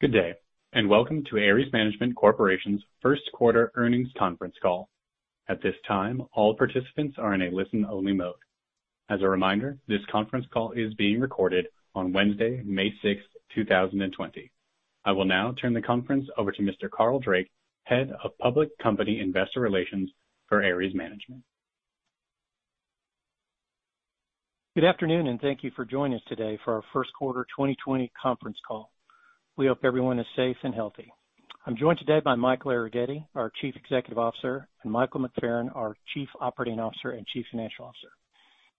Good day, welcome to Ares Management Corporation's first quarter earnings conference call. At this time, all participants are in a listen-only mode. As a reminder, this conference call is being recorded on Wednesday, May 6, 2020. I will now turn the conference over to Mr. Carl Drake, Head of Public Company Investor Relations for Ares Management. Good afternoon, and thank you for joining us today for our first quarter 2020 conference call. We hope everyone is safe and healthy. I'm joined today by Michael Arougheti, our Chief Executive Officer, and Michael McFerran, our Chief Operating Officer and Chief Financial Officer.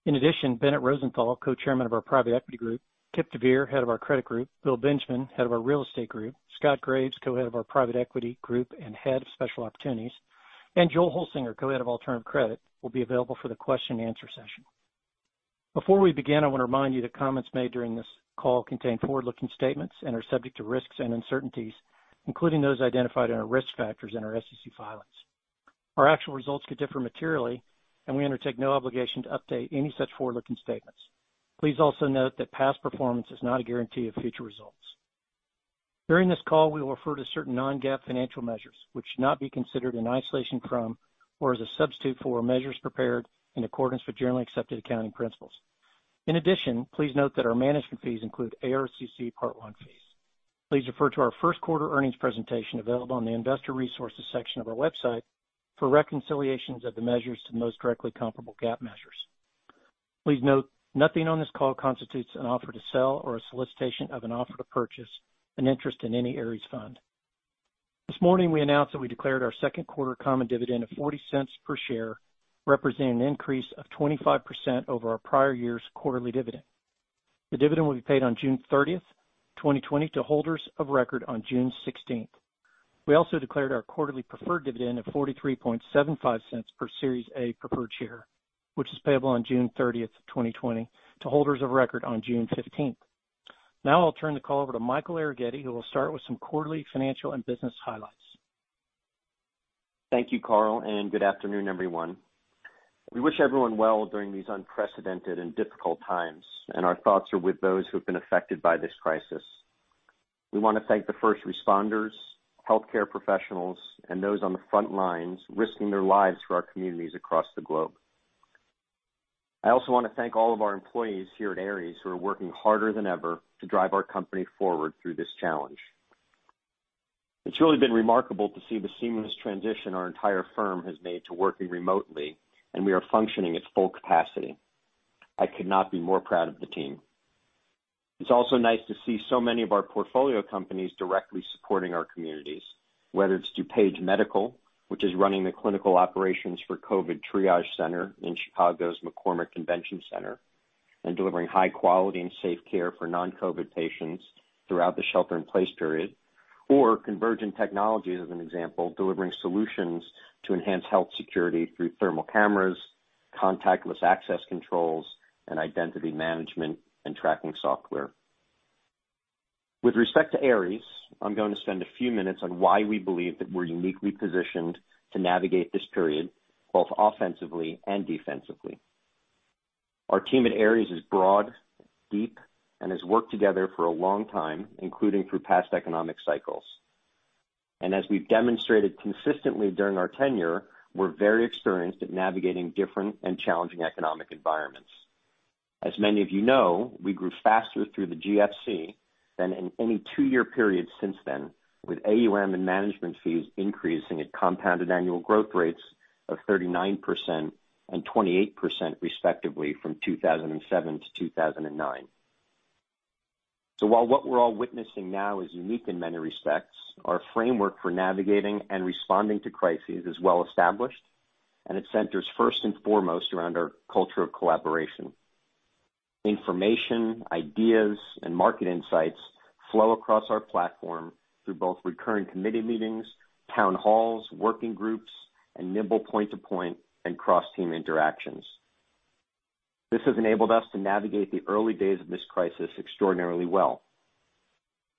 In addition, Bennett Rosenthal, Co-chairman of our Private Equity Group, Kipp deVeer, Head of our Credit Group, Bill Benjamin, Head of our Real Estate Group, Scott Graves, Co-head of our Private Equity Group and Head of Special Opportunities, and Joel Holsinger, Co-head of Alternative Credit, will be available for the question and answer session. Before we begin, I want to remind you that comments made during this call contain forward-looking statements and are subject to risks and uncertainties, including those identified in our risk factors in our SEC filings. Our actual results could differ materially, and we undertake no obligation to update any such forward-looking statements. Please also note that past performance is not a guarantee of future results. During this call, we will refer to certain non-GAAP financial measures, which should not be considered in isolation from or as a substitute for measures prepared in accordance with generally accepted accounting principles. In addition, please note that our management fees include ARCC Part I fees. Please refer to our first quarter earnings presentation available on the investor resources section of our website for reconciliations of the measures to the most directly comparable GAAP measures. Please note, nothing on this call constitutes an offer to sell or a solicitation of an offer to purchase an interest in any Ares fund. This morning, we announced that we declared our second quarter common dividend of $0.40 per share, representing an increase of 25% over our prior year's quarterly dividend. The dividend will be paid on June 30th, 2020 to holders of record on June 16th. We also declared our quarterly preferred dividend of $0.4375 per Series A preferred share, which is payable on June 30th, 2020 to holders of record on June 15th. Now I'll turn the call over to Michael Arougheti, who will start with some quarterly financial and business highlights. Thank you, Carl. Good afternoon, everyone. We wish everyone well during these unprecedented and difficult times, and our thoughts are with those who have been affected by this crisis. We want to thank the first responders, healthcare professionals, and those on the front lines risking their lives for our communities across the globe. I also want to thank all of our employees here at Ares who are working harder than ever to drive our company forward through this challenge. It's really been remarkable to see the seamless transition our entire firm has made to working remotely, and we are functioning at full capacity. I could not be more proud of the team. It's also nice to see so many of our portfolio companies directly supporting our communities, whether it's DuPage Medical, which is running the clinical operations for COVID triage center in Chicago's McCormick Place Convention Center, and delivering high quality and safe care for non-COVID patients throughout the shelter in place period. Convergint Technologies, as an example, delivering solutions to enhance health security through thermal cameras, contactless access controls, and identity management and tracking software. With respect to Ares, I'm going to spend a few minutes on why we believe that we're uniquely positioned to navigate this period, both offensively and defensively. Our team at Ares is broad, deep, and has worked together for a long time, including through past economic cycles. As we've demonstrated consistently during our tenure, we're very experienced at navigating different and challenging economic environments. As many of you know, we grew faster through the GFC than in any two year period since then, with AUM and management fees increasing at compounded annual growth rates of 39% and 28% respectively from 2007 to 2009. While what we're all witnessing now is unique in many respects, our framework for navigating and responding to crises is well established, and it centers first and foremost around our culture of collaboration. Information, ideas, and market insights flow across our platform through both recurring committee meetings, town halls, working groups, and nimble point-to-point and cross-team interactions. This has enabled us to navigate the early days of this crisis extraordinarily well.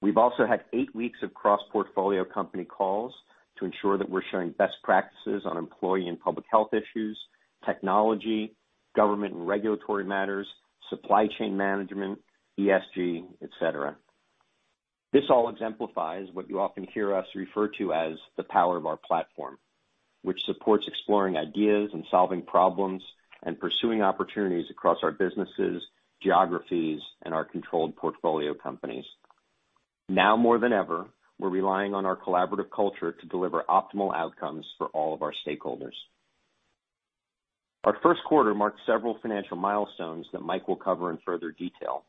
We've also had eight weeks of cross-portfolio company calls to ensure that we're sharing best practices on employee and public health issues, technology, government and regulatory matters, supply chain management, ESG, et cetera. This all exemplifies what you often hear us refer to as the power of our platform, which supports exploring ideas and solving problems and pursuing opportunities across our businesses, geographies, and our controlled portfolio companies. Now more than ever, we're relying on our collaborative culture to deliver optimal outcomes for all of our stakeholders. Our first quarter marked several financial milestones that Mike will cover in further detail.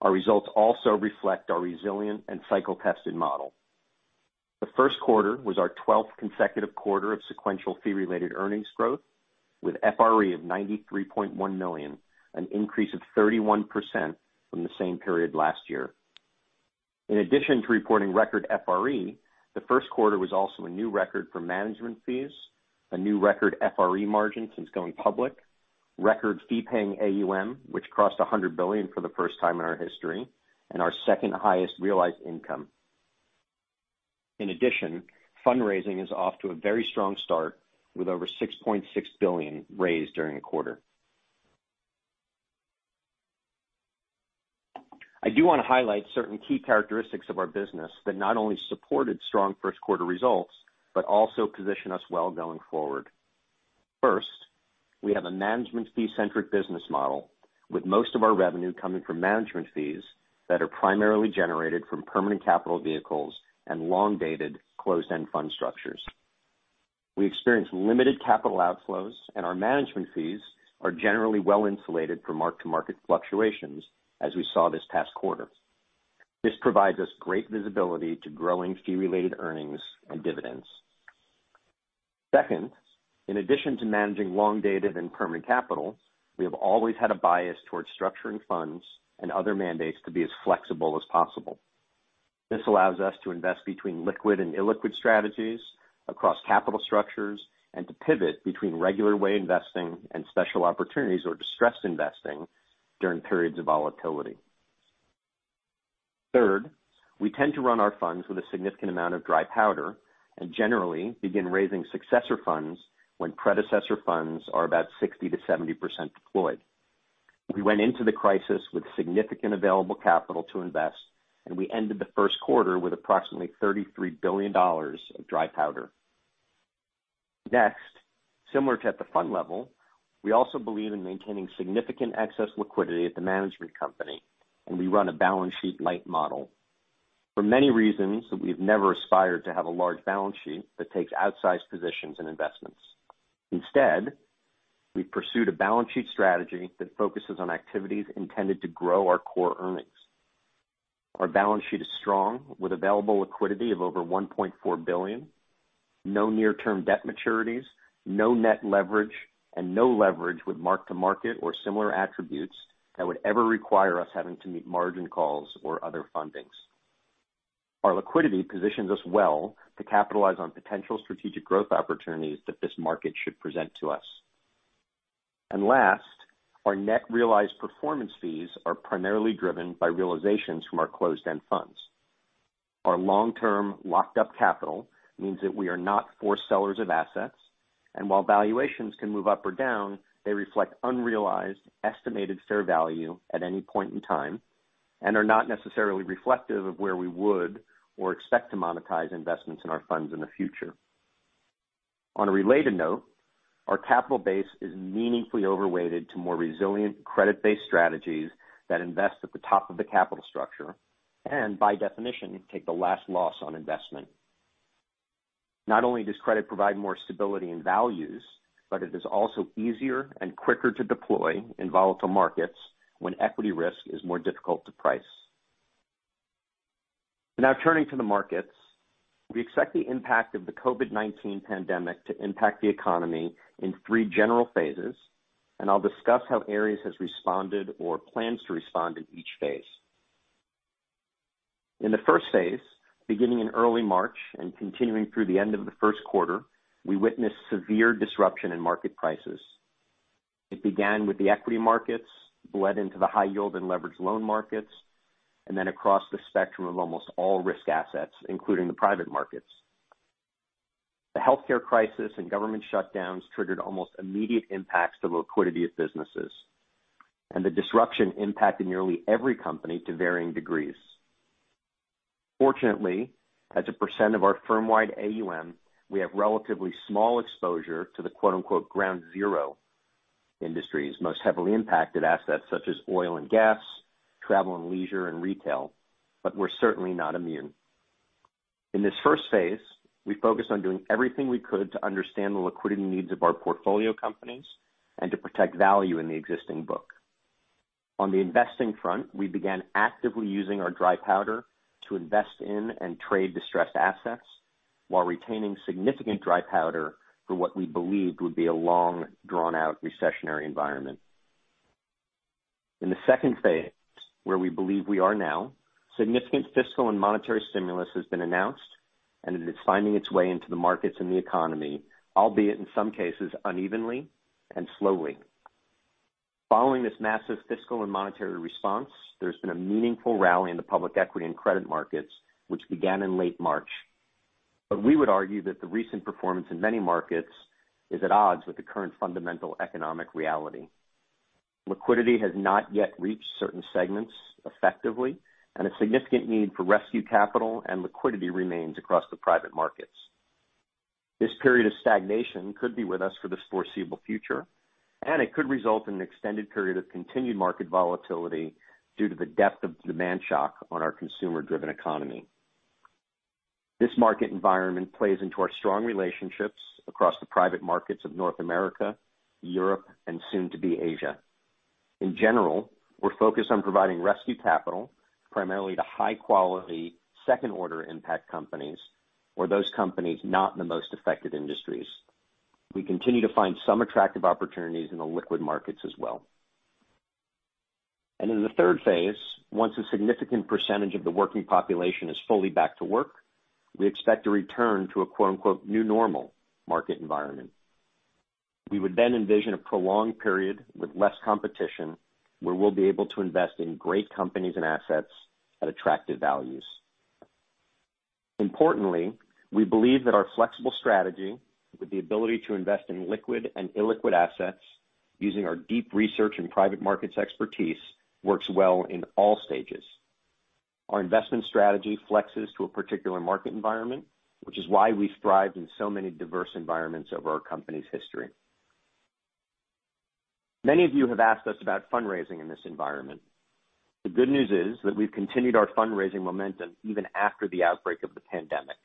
Our results also reflect our resilient and cycle-tested model. The first quarter was our 12th consecutive quarter of sequential fee-related earnings growth, with FRE of $93.1 million, an increase of 31% from the same period last year. In addition to reporting record FRE, the first quarter was also a new record for management fees, a new record FRE margin since going public, record fee paying AUM, which crossed 100 billion for the first time in our history, and our second highest realized income. In addition, fundraising is off to a very strong start, with over $6.6 billion raised during the quarter. I do want to highlight certain key characteristics of our business that not only supported strong first quarter results, but also position us well going forward. First, we have a management fee centric business model with most of our revenue coming from management fees that are primarily generated from permanent capital vehicles and long dated closed end fund structures. We experience limited capital outflows and our management fees are generally well insulated from mark to market fluctuations as we saw this past quarter. This provides us great visibility to growing fee-related earnings and dividends. Second, in addition to managing long dated and permanent capital, we have always had a bias towards structuring funds and other mandates to be as flexible as possible. This allows us to invest between liquid and illiquid strategies across capital structures and to pivot between regular way investing and special opportunities or distressed investing during periods of volatility. Third, we tend to run our funds with a significant amount of dry powder and generally begin raising successor funds when predecessor funds are about 60%-70% deployed. We went into the crisis with significant available capital to invest, and we ended the first quarter with approximately $33 billion of dry powder. Next, similar to at the fund level, we also believe in maintaining significant excess liquidity at the management company, and we run a balance sheet light model. For many reasons that we've never aspired to have a large balance sheet that takes outsized positions and investments. Instead, we pursued a balance sheet strategy that focuses on activities intended to grow our core earnings. Our balance sheet is strong with available liquidity of over $1.4 billion, no near term debt maturities, no net leverage, and no leverage with mark to market or similar attributes that would ever require us having to meet margin calls or other fundings. Our liquidity positions us well to capitalize on potential strategic growth opportunities that this market should present to us. Last, our net realized performance fees are primarily driven by realizations from our closed end funds. Our long term locked up capital means that we are not forced sellers of assets, and while valuations can move up or down, they reflect unrealized estimated fair value at any point in time, and are not necessarily reflective of where we would or expect to monetize investments in our funds in the future. On a related note, our capital base is meaningfully overweighted to more resilient credit based strategies that invest at the top of the capital structure, and by definition take the last loss on investment. Not only does credit provide more stability and values, but it is also easier and quicker to deploy in volatile markets when equity risk is more difficult to price. Turning to the markets, we expect the impact of the COVID-19 pandemic to impact the economy in three general phases. I'll discuss how Ares has responded or plans to respond in each phase. In the first phase, beginning in early March and continuing through the end of the first quarter, we witnessed severe disruption in market prices. It began with the equity markets, bled into the high yield and leverage loan markets. Across the spectrum of almost all risk assets, including the private markets. The healthcare crisis and government shutdowns triggered almost immediate impacts to liquidity of businesses. The disruption impacted nearly every company to varying degrees. Fortunately, as a % of our firm wide AUM, we have relatively small exposure to the "ground zero industries", most heavily impacted assets such as oil and gas, travel and leisure and retail. We're certainly not immune. In this first phase, we focused on doing everything we could to understand the liquidity needs of our portfolio companies and to protect value in the existing book. On the investing front, we began actively using our dry powder to invest in and trade distressed assets while retaining significant dry powder for what we believed would be a long drawn out recessionary environment. In the second phase, where we believe we are now, significant fiscal and monetary stimulus has been announced and it is finding its way into the markets and the economy, albeit in some cases unevenly and slowly. Following this massive fiscal and monetary response, there's been a meaningful rally in the public equity and credit markets, which began in late March. We would argue that the recent performance in many markets is at odds with the current fundamental economic reality. Liquidity has not yet reached certain segments effectively, and a significant need for rescue capital and liquidity remains across the private markets. This period of stagnation could be with us for the foreseeable future, and it could result in an extended period of continued market volatility due to the depth of demand shock on our consumer driven economy. This market environment plays into our strong relationships across the private markets of North America, Europe, and soon to be Asia. In general, we're focused on providing rescue capital primarily to high quality second order impact companies or those companies not in the most affected industries. We continue to find some attractive opportunities in the liquid markets as well. In the third phase, once a significant percentage of the working population is fully back to work, we expect to return to a "new normal market environment." We would then envision a prolonged period with less competition, where we'll be able to invest in great companies and assets at attractive values. Importantly, we believe that our flexible strategy, with the ability to invest in liquid and illiquid assets using our deep research and private markets expertise, works well in all stages. Our investment strategy flexes to a particular market environment, which is why we thrived in so many diverse environments over our company's history. Many of you have asked us about fundraising in this environment. The good news is that we've continued our fundraising momentum even after the outbreak of the pandemic.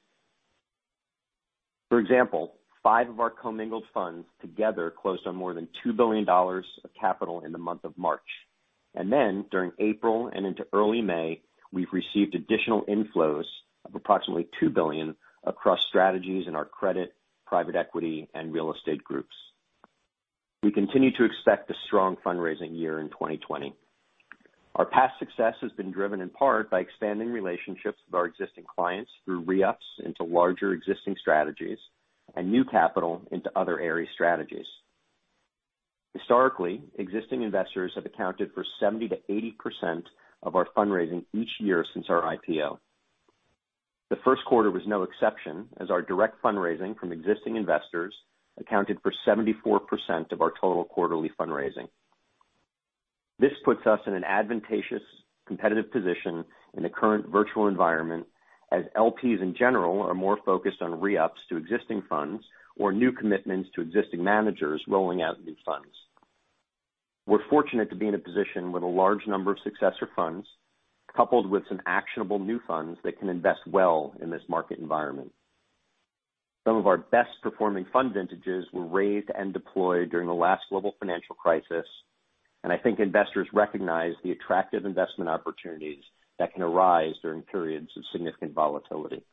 For example, five of our commingled funds together closed on more than $2 billion of capital in the month of March. During April and into early May, we've received additional inflows of approximately $2 billion across strategies in our credit, private equity, and real estate groups. We continue to expect a strong fundraising year in 2020. Our past success has been driven in part by expanding relationships with our existing clients through re-ups into larger existing strategies and new capital into other Ares strategies. Historically, existing investors have accounted for 70%-80% of our fundraising each year since our IPO. The first quarter was no exception, as our direct fundraising from existing investors accounted for 74% of our total quarterly fundraising. This puts us in an advantageous competitive position in the current virtual environment, as LPs in general are more focused on re-ups to existing funds or new commitments to existing managers rolling out new funds. We're fortunate to be in a position with a large number of successor funds, coupled with some actionable new funds that can invest well in this market environment. Some of our best performing fund vintages were raised and deployed during the last global financial crisis. I think investors recognize the attractive investment opportunities that can arise during periods of significant volatility.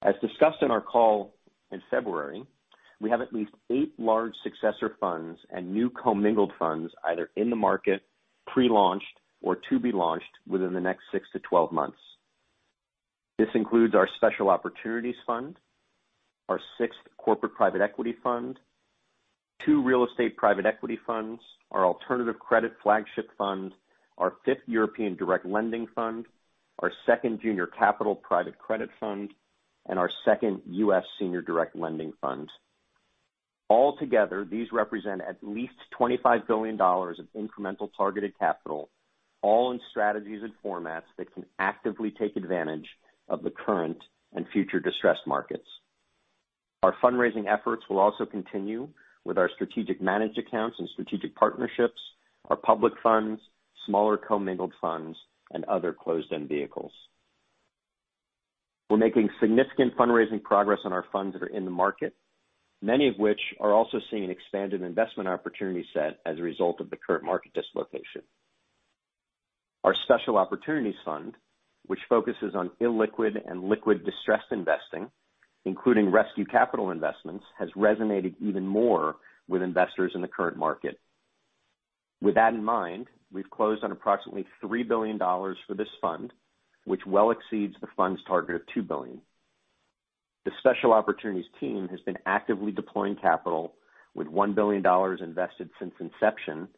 As discussed in our call in February, we have at least eight large successor funds and new commingled funds either in the market, pre-launched, or to be launched within the next six to 12 months. This includes our special opportunities fund, our sixth corporate private equity fund, two real estate private equity funds, our alternative credit flagship fund, our fifth European direct lending fund, our second junior capital private credit fund, and our second U.S. senior direct lending fund. All together, these represent at least $25 billion of incremental targeted capital, all in strategies and formats that can actively take advantage of the current and future distressed markets. Our fundraising efforts will also continue with our strategic managed accounts and strategic partnerships, our public funds, smaller commingled funds, and other closed-end vehicles. We're making significant fundraising progress on our funds that are in the market, many of which are also seeing an expanded investment opportunity set as a result of the current market dislocation. Our special opportunities fund, which focuses on illiquid and liquid distressed investing, including rescue capital investments, has resonated even more with investors in the current market. With that in mind, we've closed on approximately $3 billion for this fund, which well exceeds the fund's target of $2 billion. The special opportunities team has been actively deploying capital with $1 billion invested since inception,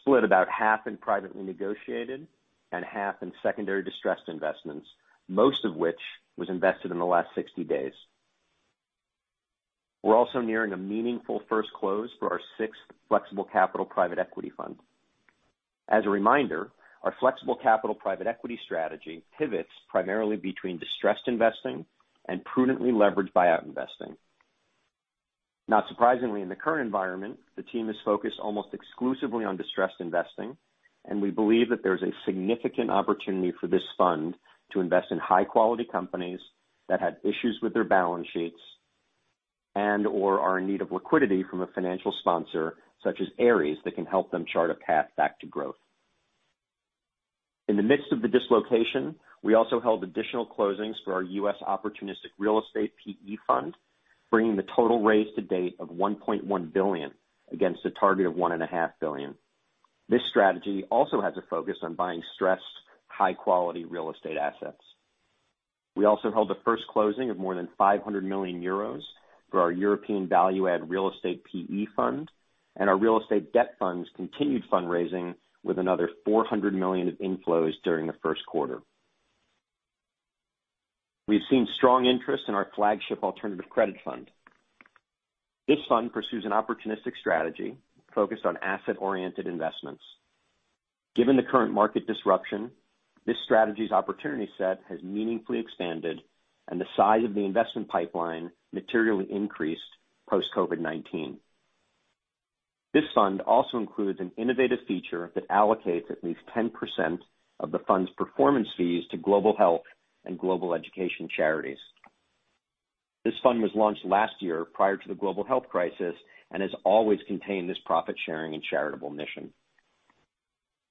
split about half in privately negotiated and half in secondary distressed investments, most of which was invested in the last 60 days. We're also nearing a meaningful first close for our sixth flexible capital private equity fund. As a reminder, our flexible capital private equity strategy pivots primarily between distressed investing and prudently leveraged buyout investing. Not surprisingly, in the current environment, the team is focused almost exclusively on distressed investing, and we believe that there's a significant opportunity for this fund to invest in high-quality companies that had issues with their balance sheets and/or are in need of liquidity from a financial sponsor such as Ares that can help them chart a path back to growth. In the midst of the dislocation, we also held additional closings for our U.S. opportunistic real estate PE fund, bringing the total raised to date of $1.1 billion against a target of $1.5 billion. This strategy also has a focus on buying stressed, high-quality real estate assets. We also held a first closing of more than 500 million euros for our European value add real estate PE fund, and our real estate debt fund's continued fundraising with another $200 million of inflows during the first quarter. We've seen strong interest in our flagship alternative credit fund. This fund pursues an opportunistic strategy focused on asset-oriented investments. Given the current market disruption, this strategy's opportunity set has meaningfully expanded, and the size of the investment pipeline materially increased post COVID-19. This fund also includes an innovative feature that allocates at least 10% of the fund's performance fees to global health and global education charities. This fund was launched last year prior to the global health crisis and has always contained this profit-sharing and charitable mission.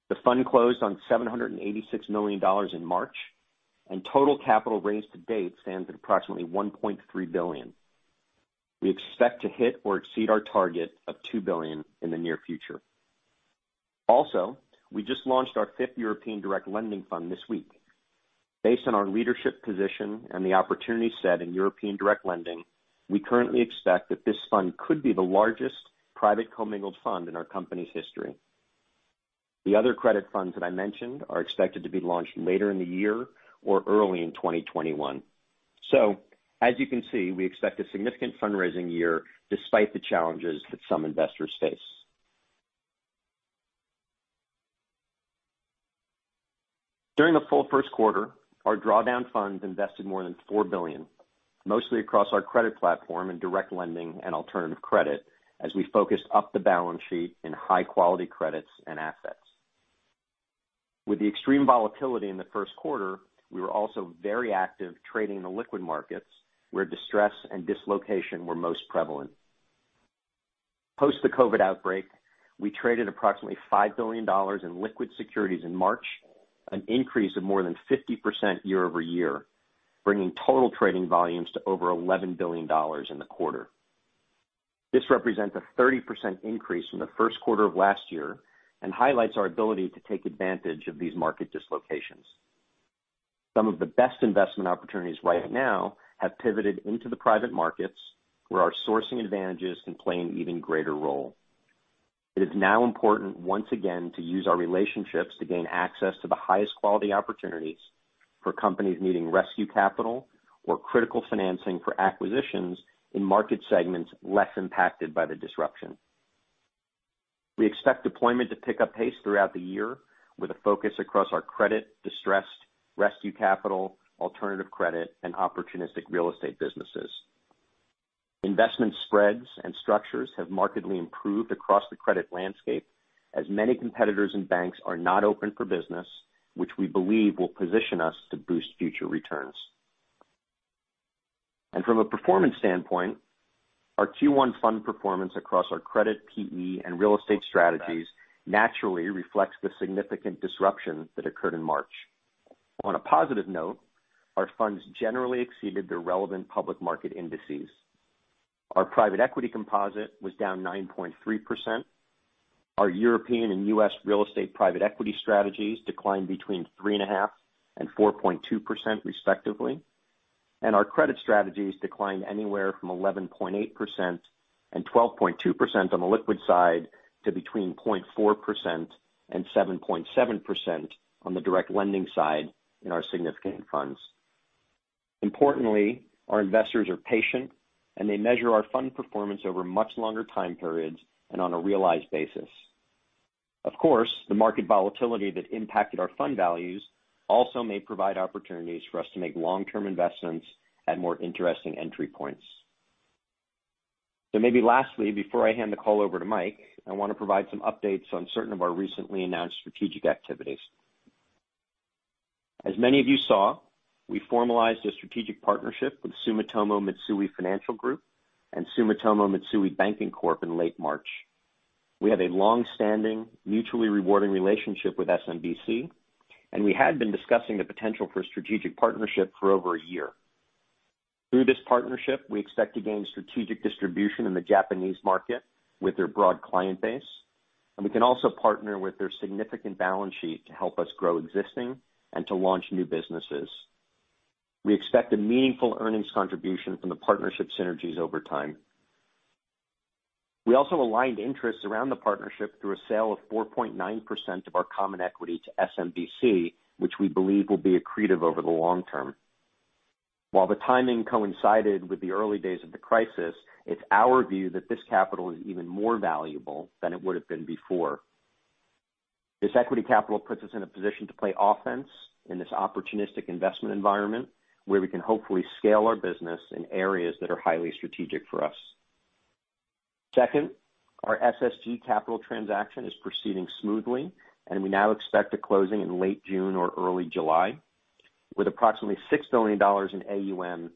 The fund closed on $786 million in March, and total capital raised to date stands at approximately $1.3 billion. We expect to hit or exceed our target of $2 billion in the near future. We just launched our fifth European direct lending fund this week. Based on our leadership position and the opportunity set in European direct lending, we currently expect that this fund could be the largest private commingled fund in our company's history. The other credit funds that I mentioned are expected to be launched later in the year or early in 2021. As you can see, we expect a significant fundraising year despite the challenges that some investors face. During the full first quarter, our drawdown funds invested more than $4 billion, mostly across our credit platform in direct lending and alternative credit as we focused up the balance sheet in high-quality credits and assets. With the extreme volatility in the first quarter, we were also very active trading the liquid markets where distress and dislocation were most prevalent. Post the COVID outbreak, we traded approximately $5 billion in liquid securities in March, an increase of more than 50% year-over-year, bringing total trading volumes to over $11 billion in the quarter. This represents a 30% increase from the first quarter of last year and highlights our ability to take advantage of these market dislocations. Some of the best investment opportunities right now have pivoted into the private markets where our sourcing advantages can play an even greater role. It is now important, once again, to use our relationships to gain access to the highest quality opportunities for companies needing rescue capital or critical financing for acquisitions in market segments less impacted by the disruption. We expect deployment to pick up pace throughout the year with a focus across our credit distressed rescue capital, alternative credit, and opportunistic real estate businesses. Investment spreads and structures have markedly improved across the credit landscape as many competitors and banks are not open for business, which we believe will position us to boost future returns. From a performance standpoint, our Q1 fund performance across our credit PE and real estate strategies naturally reflects the significant disruption that occurred in March. On a positive note, our funds generally exceeded their relevant public market indices. Our private equity composite was down 9.3%. Our European and U.S. real estate private equity strategies declined between 3.5% and 4.2%, respectively. Our credit strategies declined anywhere from 11.8% and 12.2% on the liquid side to between 0.4% and 7.7% on the direct lending side in our significant funds. Importantly, our investors are patient, and they measure our fund performance over much longer time periods and on a realized basis. The market volatility that impacted our fund values also may provide opportunities for us to make long-term investments at more interesting entry points. Maybe lastly, before I hand the call over to Mike, I want to provide some updates on certain of our recently announced strategic activities. As many of you saw, we formalized a strategic partnership with Sumitomo Mitsui Financial Group and Sumitomo Mitsui Banking Corp in late March. We have a long-standing, mutually rewarding relationship with SMBC, and we had been discussing the potential for a strategic partnership for over a year. Through this partnership, we expect to gain strategic distribution in the Japanese market with their broad client base, and we can also partner with their significant balance sheet to help us grow existing and to launch new businesses. We expect a meaningful earnings contribution from the partnership synergies over time. We also aligned interests around the partnership through a sale of 4.9% of our common equity to SMBC, which we believe will be accretive over the long term. While the timing coincided with the early days of the crisis, it's our view that this capital is even more valuable than it would have been before. This equity capital puts us in a position to play offense in this opportunistic investment environment where we can hopefully scale our business in areas that are highly strategic for us. Second, our SSG Capital transaction is proceeding smoothly, and we now expect a closing in late June or early July. With approximately $6 billion in AUM,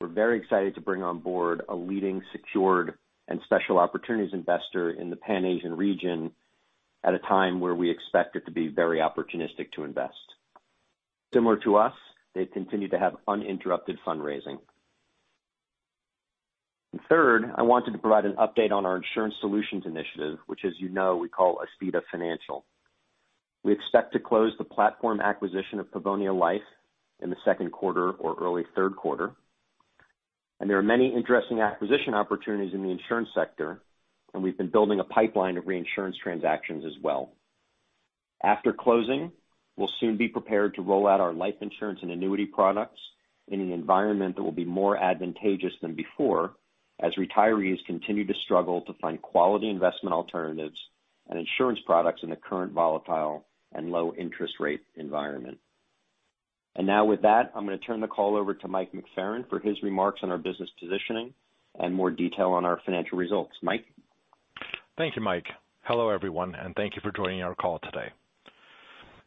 we're very excited to bring on board a leading secured and special opportunities investor in the Pan Asian region at a time where we expect it to be very opportunistic to invest. Similar to us, they continue to have uninterrupted fundraising. Third, I wanted to provide an update on our insurance solutions initiative, which as you know, we call Aspida Financial. We expect to close the platform acquisition of Pavonia Life in the second quarter or early third quarter. There are many interesting acquisition opportunities in the insurance sector, and we've been building a pipeline of reinsurance transactions as well. After closing, we'll soon be prepared to roll out our life insurance and annuity products in an environment that will be more advantageous than before as retirees continue to struggle to find quality investment alternatives and insurance products in the current volatile and low interest rate environment. Now with that, I'm going to turn the call over to Mike McFerran for his remarks on our business positioning and more detail on our financial results. Mike? Thank you, Mike. Hello, everyone, thank you for joining our call today.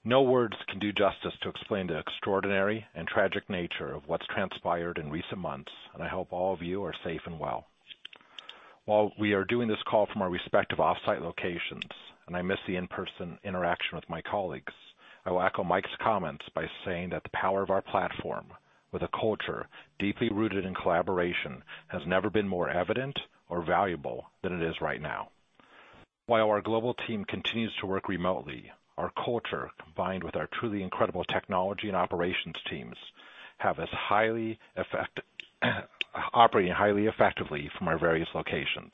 No words can do justice to explain the extraordinary and tragic nature of what's transpired in recent months, I hope all of you are safe and well. While we are doing this call from our respective off-site locations, I miss the in-person interaction with my colleagues, I will echo Mike's comments by saying that the power of our platform with a culture deeply rooted in collaboration has never been more evident or valuable than it is right now. While our global team continues to work remotely, our culture, combined with our truly incredible technology and operations teams operating highly effectively from our various locations.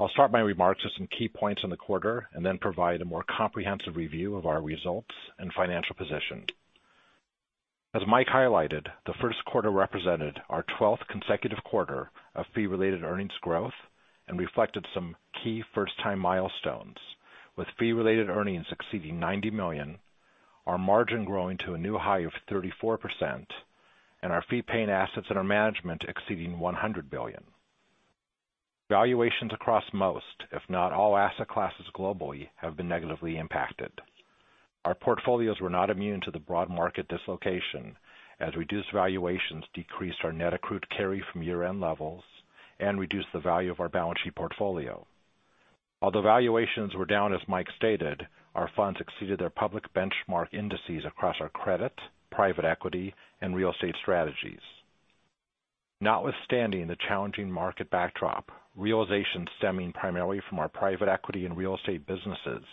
I'll start my remarks with some key points on the quarter then provide a more comprehensive review of our results and financial position. As Mike highlighted, the first quarter represented our 12th consecutive quarter of fee-related earnings growth and reflected some key first-time milestones, with fee-related earnings exceeding $90 million, our margin growing to a new high of 34%, and our fee-paying assets under management exceeding $100 billion. Valuations across most, if not all, asset classes globally have been negatively impacted. Our portfolios were not immune to the broad market dislocation, as reduced valuations decreased our net accrued carry from year-end levels and reduced the value of our balance sheet portfolio. Although valuations were down, as Mike stated, our funds exceeded their public benchmark indices across our credit, private equity, and real estate strategies. Notwithstanding the challenging market backdrop, realization stemming primarily from our private equity and real estate businesses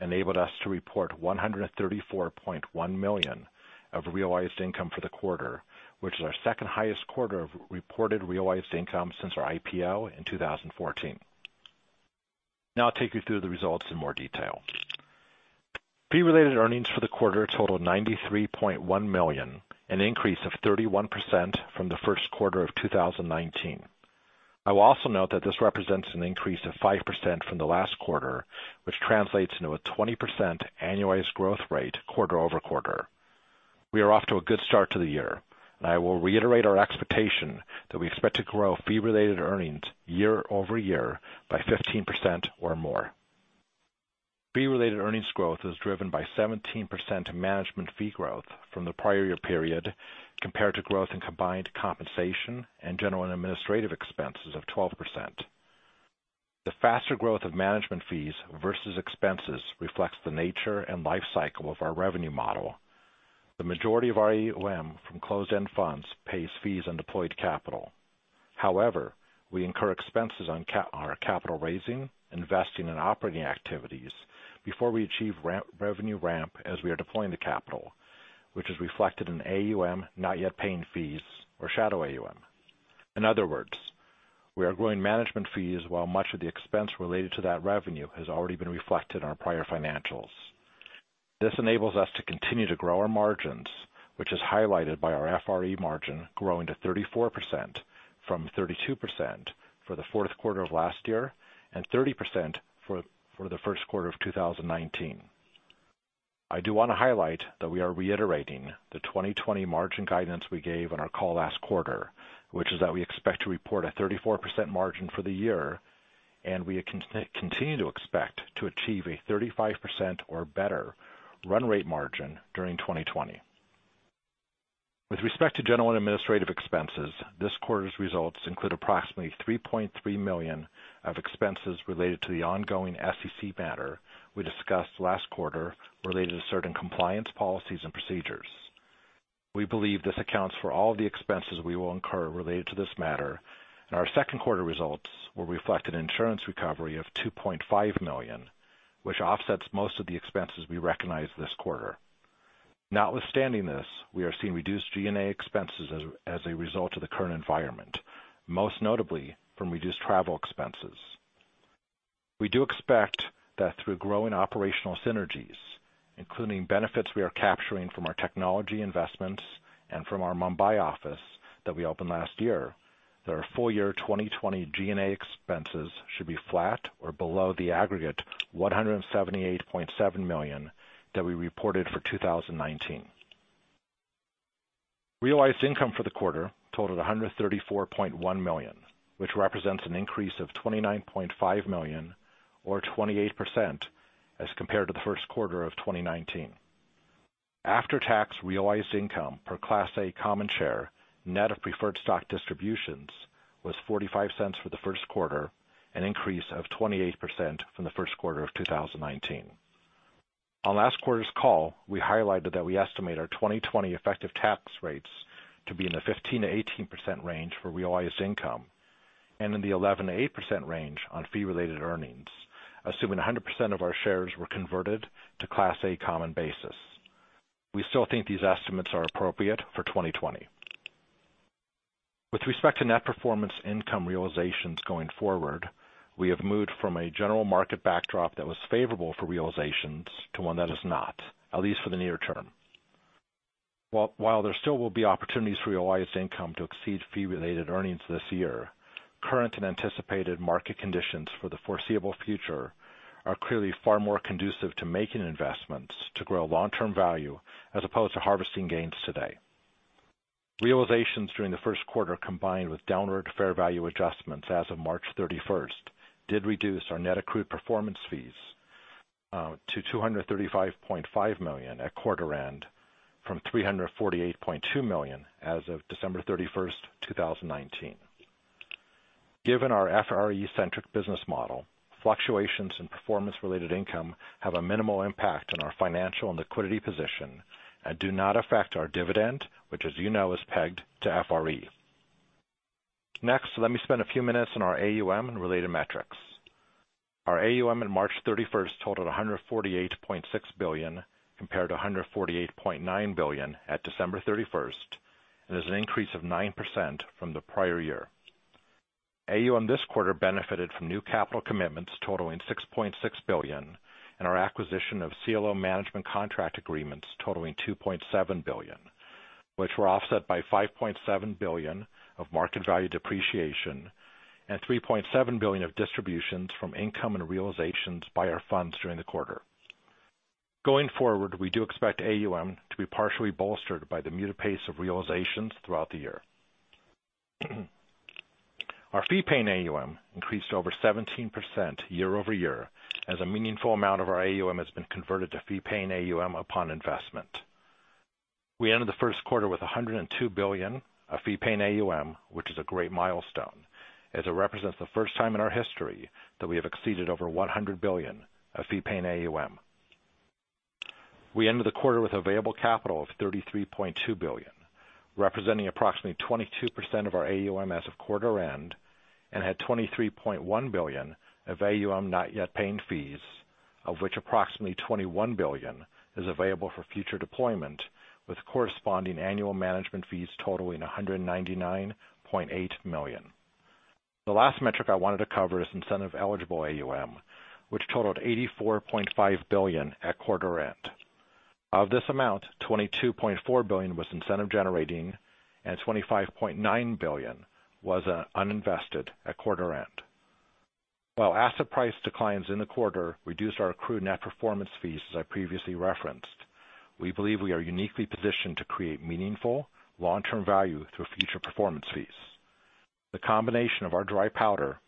enabled us to report $134.1 million of realized income for the quarter, which is our second highest quarter of reported realized income since our IPO in 2014. I'll take you through the results in more detail. Fee-Related Earnings for the quarter totaled $93.1 million, an increase of 31% from the first quarter of 2019. I will also note that this represents an increase of 5% from the last quarter, which translates into a 20% annualized growth rate quarter-over-quarter. We are off to a good start to the year, and I will reiterate our expectation that we expect to grow fee-related earnings year-over-year by 15% or more. Fee-related earnings growth is driven by 17% management fee growth from the prior year period, compared to growth in combined compensation and general and administrative expenses of 12%. The faster growth of management fees versus expenses reflects the nature and life cycle of our revenue model. The majority of our AUM from closed-end funds pays fees on deployed capital. However, we incur expenses on our capital raising, investing, and operating activities before we achieve revenue ramp as we are deploying the capital, which is reflected in AUM not yet paying fees or shadow AUM. In other words, we are growing management fees while much of the expense related to that revenue has already been reflected in our prior financials. This enables us to continue to grow our margins, which is highlighted by our FRE margin growing to 34% from 32% for the fourth quarter of last year, and 30% for the first quarter of 2019. I do want to highlight that we are reiterating the 2020 margin guidance we gave on our call last quarter, which is that we expect to report a 34% margin for the year, and we continue to expect to achieve a 35% or better run rate margin during 2020. With respect to general and administrative expenses, this quarter's results include approximately $3.3 million of expenses related to the ongoing SEC matter we discussed last quarter related to certain compliance policies and procedures. We believe this accounts for all of the expenses we will incur related to this matter, and our second quarter results will reflect an insurance recovery of $2.5 million, which offsets most of the expenses we recognize this quarter. Notwithstanding this, we are seeing reduced G&A expenses as a result of the current environment, most notably from reduced travel expenses. We do expect that through growing operational synergies, including benefits we are capturing from our technology investments and from our Mumbai office that we opened last year, that our full year 2020 G&A expenses should be flat or below the aggregate $178.7 million that we reported for 2019. Realized income for the quarter totaled $134.1 million, which represents an increase of $29.5 million or 28% as compared to the first quarter of 2019. After-tax realized income per Class A common share, net of preferred stock distributions, was $0.45 for the first quarter, an increase of 28% from the first quarter of 2019. On last quarter's call, we highlighted that we estimate our 2020 effective tax rates to be in the 15%-18% range for realized income, and in the 11%-8% range on fee-related earnings, assuming 100% of our shares were converted to Class A common basis. We still think these estimates are appropriate for 2020. With respect to net performance income realizations going forward, we have moved from a general market backdrop that was favorable for realizations to one that is not, at least for the near term. While there still will be opportunities for realized income to exceed fee-related earnings this year, current and anticipated market conditions for the foreseeable future are clearly far more conducive to making investments to grow long-term value as opposed to harvesting gains today. Realizations during the first quarter, combined with downward fair value adjustments as of March 31st, did reduce our net accrued performance fees to $235.5 million at quarter end from $348.2 million as of December 31st, 2019. Given our FRE-centric business model, fluctuations in performance-related income have a minimal impact on our financial and liquidity position and do not affect our dividend, which as you know is pegged to FRE. Next, let me spend a few minutes on our AUM and related metrics. Our AUM on March 31st totaled $148.6 billion, compared to $148.9 billion at December 31st, and is an increase of 9% from the prior year. AUM this quarter benefited from new capital commitments totaling $6.6 billion, and our acquisition of CLO management contract agreements totaling $2.7 billion, which were offset by $5.7 billion of market value depreciation and $3.7 billion of distributions from income and realizations by our funds during the quarter. Going forward, we do expect AUM to be partially bolstered by the muted pace of realizations throughout the year. Our fee-paying AUM increased over 17% year-over-year, as a meaningful amount of our AUM has been converted to fee-paying AUM upon investment. We ended the first quarter with $102 billion of fee-paying AUM, which is a great milestone, as it represents the first time in our history that we have exceeded over $100 billion of fee-paying AUM. We ended the quarter with available capital of $33.2 billion, representing approximately 22% of our AUM as of quarter end, and had $23.1 billion of AUM not yet paying fees, of which approximately $21 billion is available for future deployment, with corresponding annual management fees totaling $199.8 million. The last metric I wanted to cover is incentive-eligible AUM, which totaled $84.5 billion at quarter end. Of this amount, $22.4 billion was incentive-generating and $25.9 billion was uninvested at quarter end. While asset price declines in the quarter reduced our accrued net performance fees, as I previously referenced, we believe we are uniquely positioned to create meaningful long-term value through future performance fees. The combination of our dry powder,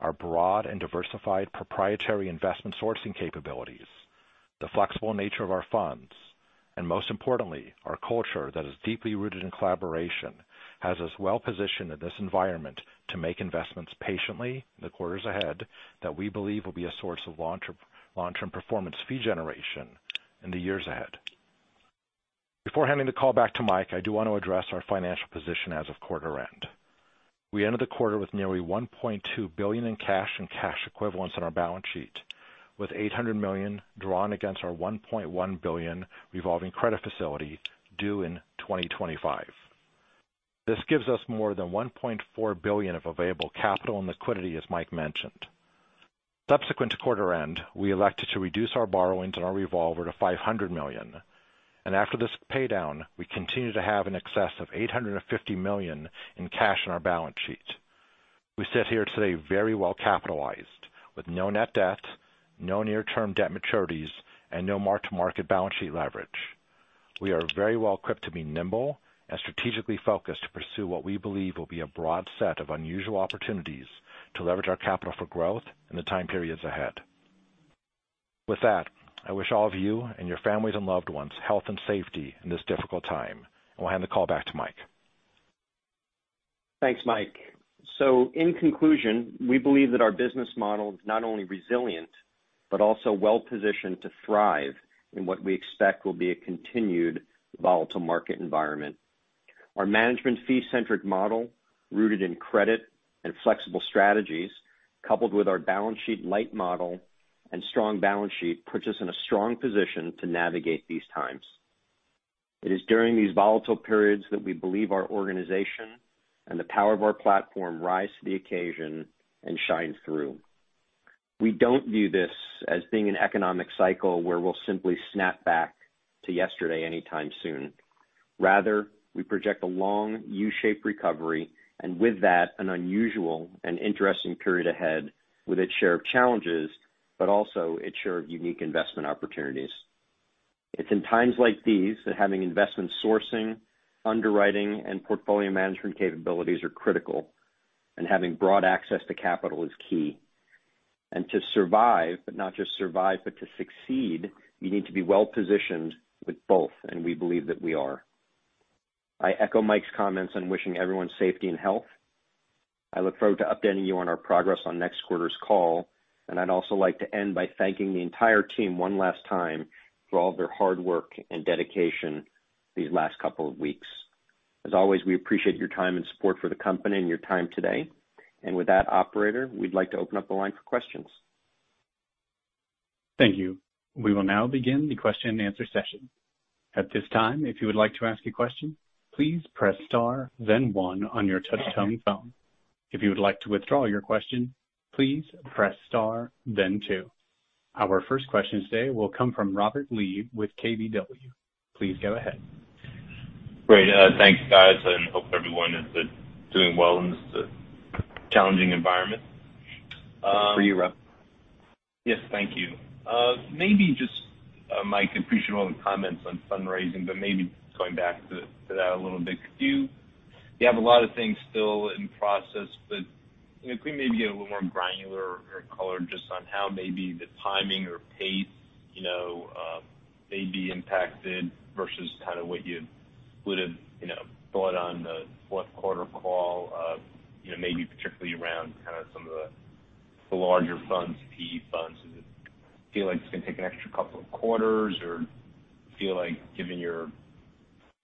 our broad and diversified proprietary investment sourcing capabilities, the flexible nature of our funds, most importantly, our culture that is deeply rooted in collaboration, has us well positioned in this environment to make investments patiently in the quarters ahead, that we believe will be a source of long-term performance fee generation in the years ahead. Before handing the call back to Mike, I do want to address our financial position as of quarter end. We ended the quarter with nearly $1.2 billion in cash and cash equivalents on our balance sheet, with $800 million drawn against our $1.1 billion revolving credit facility due in 2025. This gives us more than $1.4 billion of available capital and liquidity, as Mike mentioned. Subsequent to quarter end, we elected to reduce our borrowings on our revolver to $500 million. After this pay down, we continue to have in excess of $850 million in cash on our balance sheet. We sit here today very well capitalized with no net debt, no near-term debt maturities, and no mark-to-market balance sheet leverage. We are very well equipped to be nimble and strategically focused to pursue what we believe will be a broad set of unusual opportunities to leverage our capital for growth in the time periods ahead. With that, I wish all of you and your families and loved ones health and safety in this difficult time. We'll hand the call back to Mike. Thanks, Mike. In conclusion, we believe that our business model is not only resilient, but also well positioned to thrive in what we expect will be a continued volatile market environment. Our management fee-centric model, rooted in credit and flexible strategies, coupled with our balance sheet light model and strong balance sheet, puts us in a strong position to navigate these times. It is during these volatile periods that we believe our organization and the power of our platform rise to the occasion and shine through. We don't view this as being an economic cycle where we'll simply snap back to yesterday anytime soon. Rather, we project a long U-shaped recovery, and with that, an unusual and interesting period ahead with its share of challenges, but also its share of unique investment opportunities. It's in times like these that having investment sourcing, underwriting, and portfolio management capabilities are critical, and having broad access to capital is key. To survive, not just survive, but to succeed, you need to be well positioned with both, and we believe that we are. I echo Mike's comments on wishing everyone safety and health. I look forward to updating you on our progress on next quarter's call. I'd also like to end by thanking the entire team one last time for all of their hard work and dedication these last couple of weeks. As always, we appreciate your time and support for the company and your time today. With that, operator, we'd like to open up the line for questions. Thank you. We will now begin the question and answer session. At this time, if you would like to ask a question, please press star then one on your touchtone phone. If you would like to withdraw your question, please press star then two. Our first question today will come from Robert Lee with KBW. Please go ahead. Great. Thanks, guys. Hope everyone is doing well in this challenging environment. This is for you, Rob. Yes, thank you. Mike, I appreciate all the comments on fundraising, but maybe going back to that a little bit, you have a lot of things still in process, but can we maybe get a little more granular or color just on how maybe the timing or pace may be impacted versus what you would have thought on the fourth quarter call of maybe particularly around. The larger funds, PE funds. Does it feel like it is going to take an extra couple of quarters, or do you feel like given your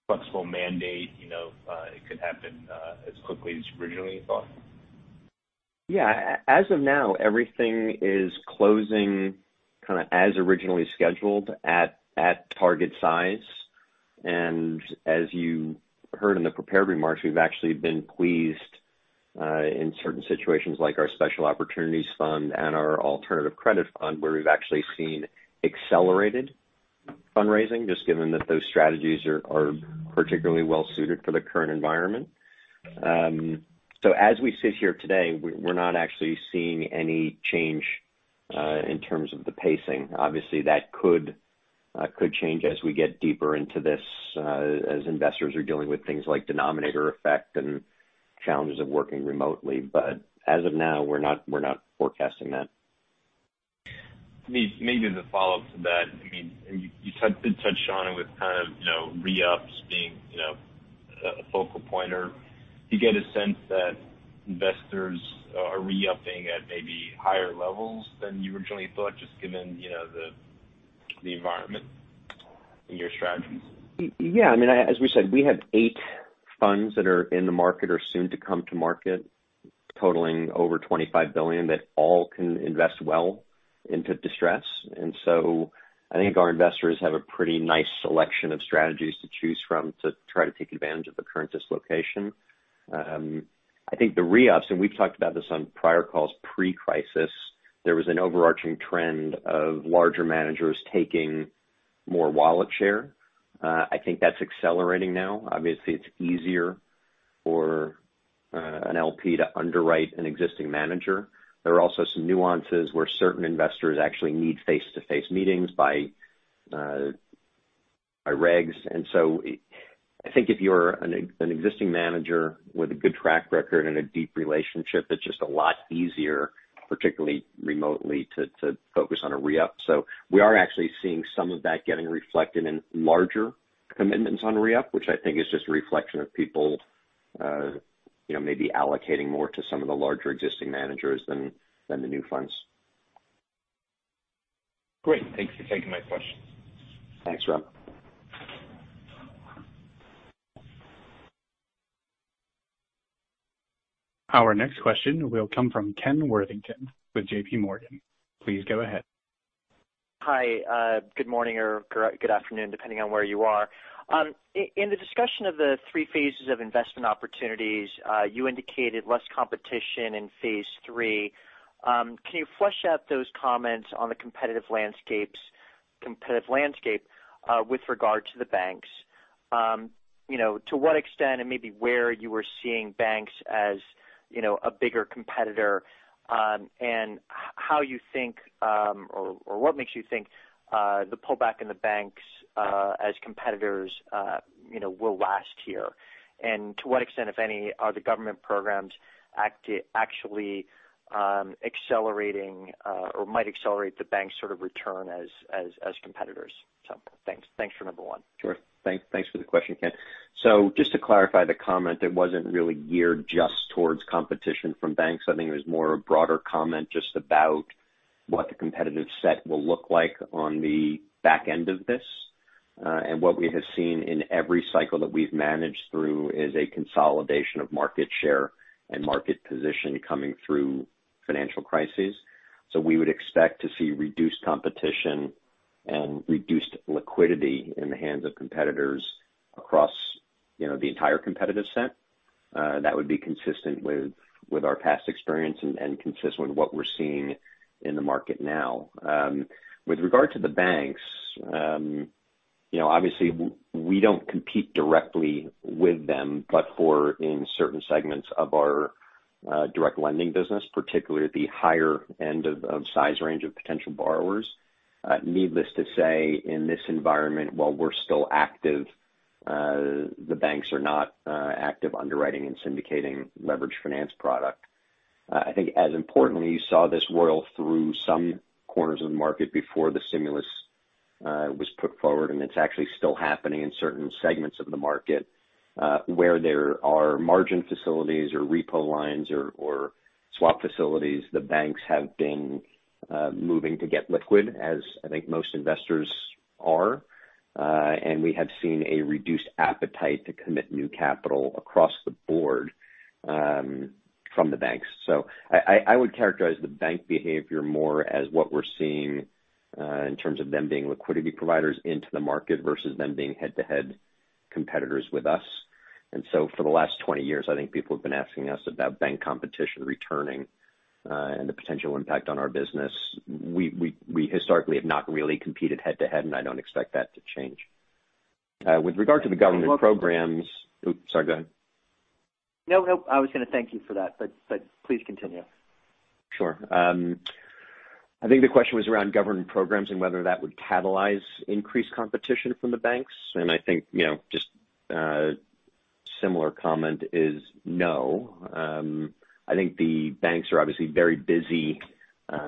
flexible mandate, it could happen as quickly as you originally thought? Yeah. As of now, everything is closing as originally scheduled at target size. As you heard in the prepared remarks, we've actually been pleased in certain situations like our special opportunities fund and our alternative credit fund, where we've actually seen accelerated fundraising, just given that those strategies are particularly well-suited for the current environment. As we sit here today, we're not actually seeing any change in terms of the pacing. Obviously, that could change as we get deeper into this, as investors are dealing with things like denominator effect and challenges of working remotely. As of now, we're not forecasting that. Maybe as a follow-up to that, you did touch on it with re-ups being a focal point. Do you get a sense that investors are re-upping at maybe higher levels than you originally thought, just given the environment in your strategies? Yeah. As we said, we have eight funds that are in the market or soon to come to market totaling over $25 billion that all can invest well into distress. I think our investors have a pretty nice selection of strategies to choose from to try to take advantage of the current dislocation. I think the re-ups, and we've talked about this on prior calls pre-crisis, there was an overarching trend of larger managers taking more wallet share. I think that's accelerating now. Obviously, it's easier for an LP to underwrite an existing manager. There are also some nuances where certain investors actually need face-to-face meetings by regs. I think if you're an existing manager with a good track record and a deep relationship, it's just a lot easier, particularly remotely, to focus on a re-up. We are actually seeing some of that getting reflected in larger commitments on re-up, which I think is just a reflection of people maybe allocating more to some of the larger existing managers than the new funds. Great. Thank you for taking my question. Thanks, Rob. Our next question will come from Ken Worthington with JPMorgan. Please go ahead. Hi. Good morning or good afternoon, depending on where you are. In the discussion of the three phases of investment opportunities, you indicated less competition in phase III. Can you flesh out those comments on the competitive landscape with regard to the banks? To what extent and maybe where you are seeing banks as a bigger competitor, and what makes you think the pullback in the banks as competitors will last here? To what extent, if any, are the government programs actually accelerating or might accelerate the bank's return as competitors? Thanks for number one. Sure. Thanks for the question, Ken. Just to clarify the comment, it wasn't really geared just towards competition from banks. I think it was more a broader comment just about what the competitive set will look like on the back end of this. What we have seen in every cycle that we've managed through is a consolidation of market share and market position coming through financial crises. We would expect to see reduced competition and reduced liquidity in the hands of competitors across the entire competitive set. That would be consistent with our past experience and consistent with what we're seeing in the market now. With regard to the banks, obviously we don't compete directly with them, but for in certain segments of our direct lending business, particularly at the higher end of size range of potential borrowers. Needless to say, in this environment, while we're still active, the banks are not active underwriting and syndicating leverage finance product. I think as importantly, you saw this roil through some corners of the market before the stimulus was put forward, and it's actually still happening in certain segments of the market. Where there are margin facilities or repo lines or swap facilities, the banks have been moving to get liquid, as I think most investors are. We have seen a reduced appetite to commit new capital across the board from the banks. I would characterize the bank behavior more as what we're seeing in terms of them being liquidity providers into the market versus them being head-to-head competitors with us. For the last 20 years, I think people have been asking us about bank competition returning and the potential impact on our business. We historically have not really competed head-to-head, and I don't expect that to change. With regard to the government programs, oops, sorry, go ahead. No, I was going to thank you for that, but please continue. Sure. I think the question was around government programs and whether that would catalyze increased competition from the banks. I think just a similar comment is no. I think the banks are obviously very busy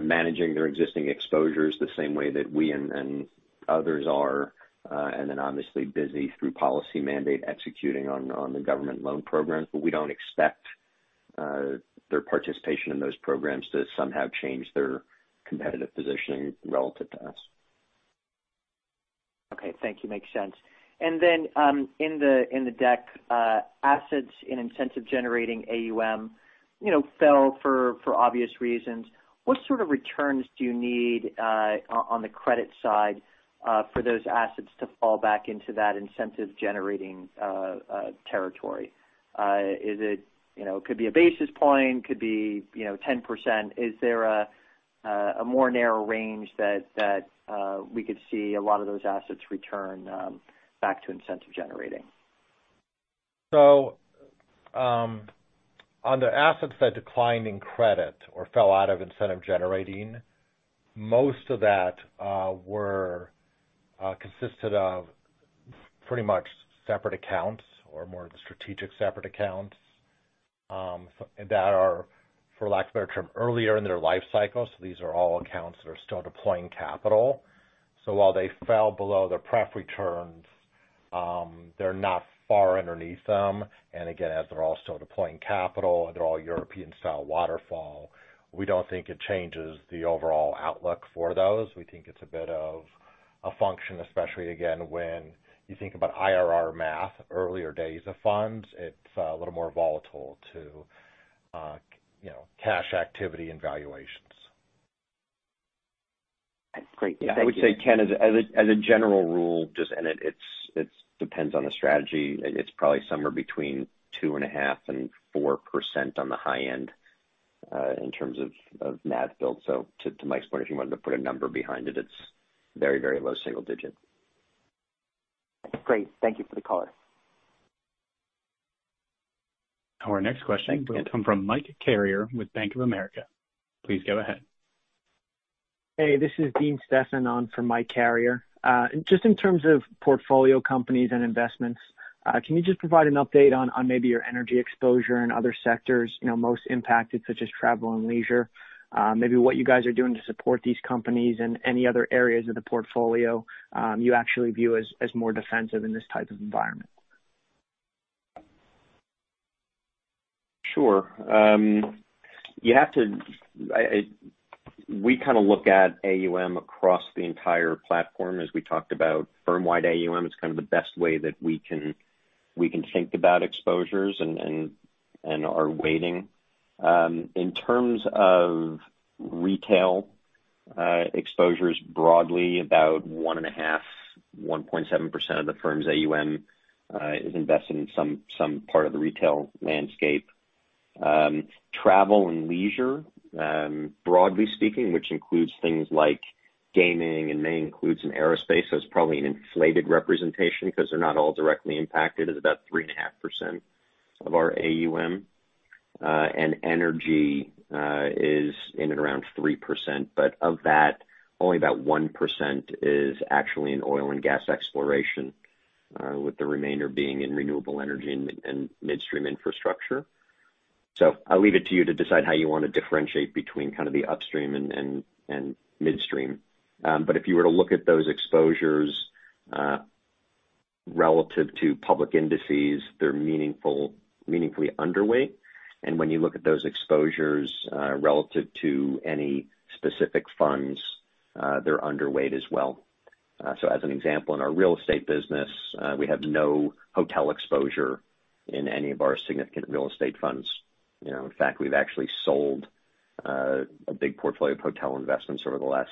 managing their existing exposures the same way that we and others are, obviously busy through policy mandate executing on the government loan programs. We don't expect their participation in those programs to somehow change their competitive positioning relative to us. Okay. Thank you. Makes sense. In the deck, assets in incentive-generating AUM fell for obvious reasons. What sort of returns do you need on the credit side for those assets to fall back into that incentive-generating territory? It could be a basis point, could be 10%. Is there a more narrow range that we could see a lot of those assets return back to incentive-generating? On the assets that declined in credit or fell out of incentive generating, most of that consisted of pretty much separate accounts or more of the strategic separate accounts that are, for lack of a better term, earlier in their life cycle. These are all accounts that are still deploying capital. While they fell below their pref returns, they're not far underneath them. Again, as they're all still deploying capital and they're all European-style waterfall, we don't think it changes the overall outlook for those. We think it's a bit of a function, especially, again, when you think about IRR math, earlier days of funds, it's a little more volatile to cash activity and valuations. Great. Thank you. I would say, Ken, as a general rule, and it depends on the strategy, it's probably somewhere between two and a half and 4% on the high end in terms of NAV build. To Mike's point, if you wanted to put a number behind it's very low single digit. Great. Thank you for the color. Our next question will come from Mike Carrier with Bank of America. Please go ahead. Hey, this is Dean Stephan on for Mike Carrier. Just in terms of portfolio companies and investments, can you just provide an update on maybe your energy exposure in other sectors most impacted, such as travel and leisure? Maybe what you guys are doing to support these companies and any other areas of the portfolio you actually view as more defensive in this type of environment? Sure. We kind of look at AUM across the entire platform. As we talked about firm-wide AUM, it's kind of the best way that we can think about exposures and our weighting. In terms of retail exposures broadly, about one and a half, 1.7% of the firm's AUM is invested in some part of the retail landscape. Travel and leisure, broadly speaking, which includes things like gaming and may include some aerospace, so it's probably an inflated representation because they're not all directly impacted, is about 3.5% of our AUM. Energy is in and around 3%, but of that, only about 1% is actually in oil and gas exploration. With the remainder being in renewable energy and midstream infrastructure. I'll leave it to you to decide how you want to differentiate between kind of the upstream and midstream. If you were to look at those exposures relative to public indices, they're meaningfully underweight. When you look at those exposures relative to any specific funds, they're underweight as well. As an example, in our real estate business, we have no hotel exposure in any of our significant real estate funds. In fact, we've actually sold a big portfolio of hotel investments over the last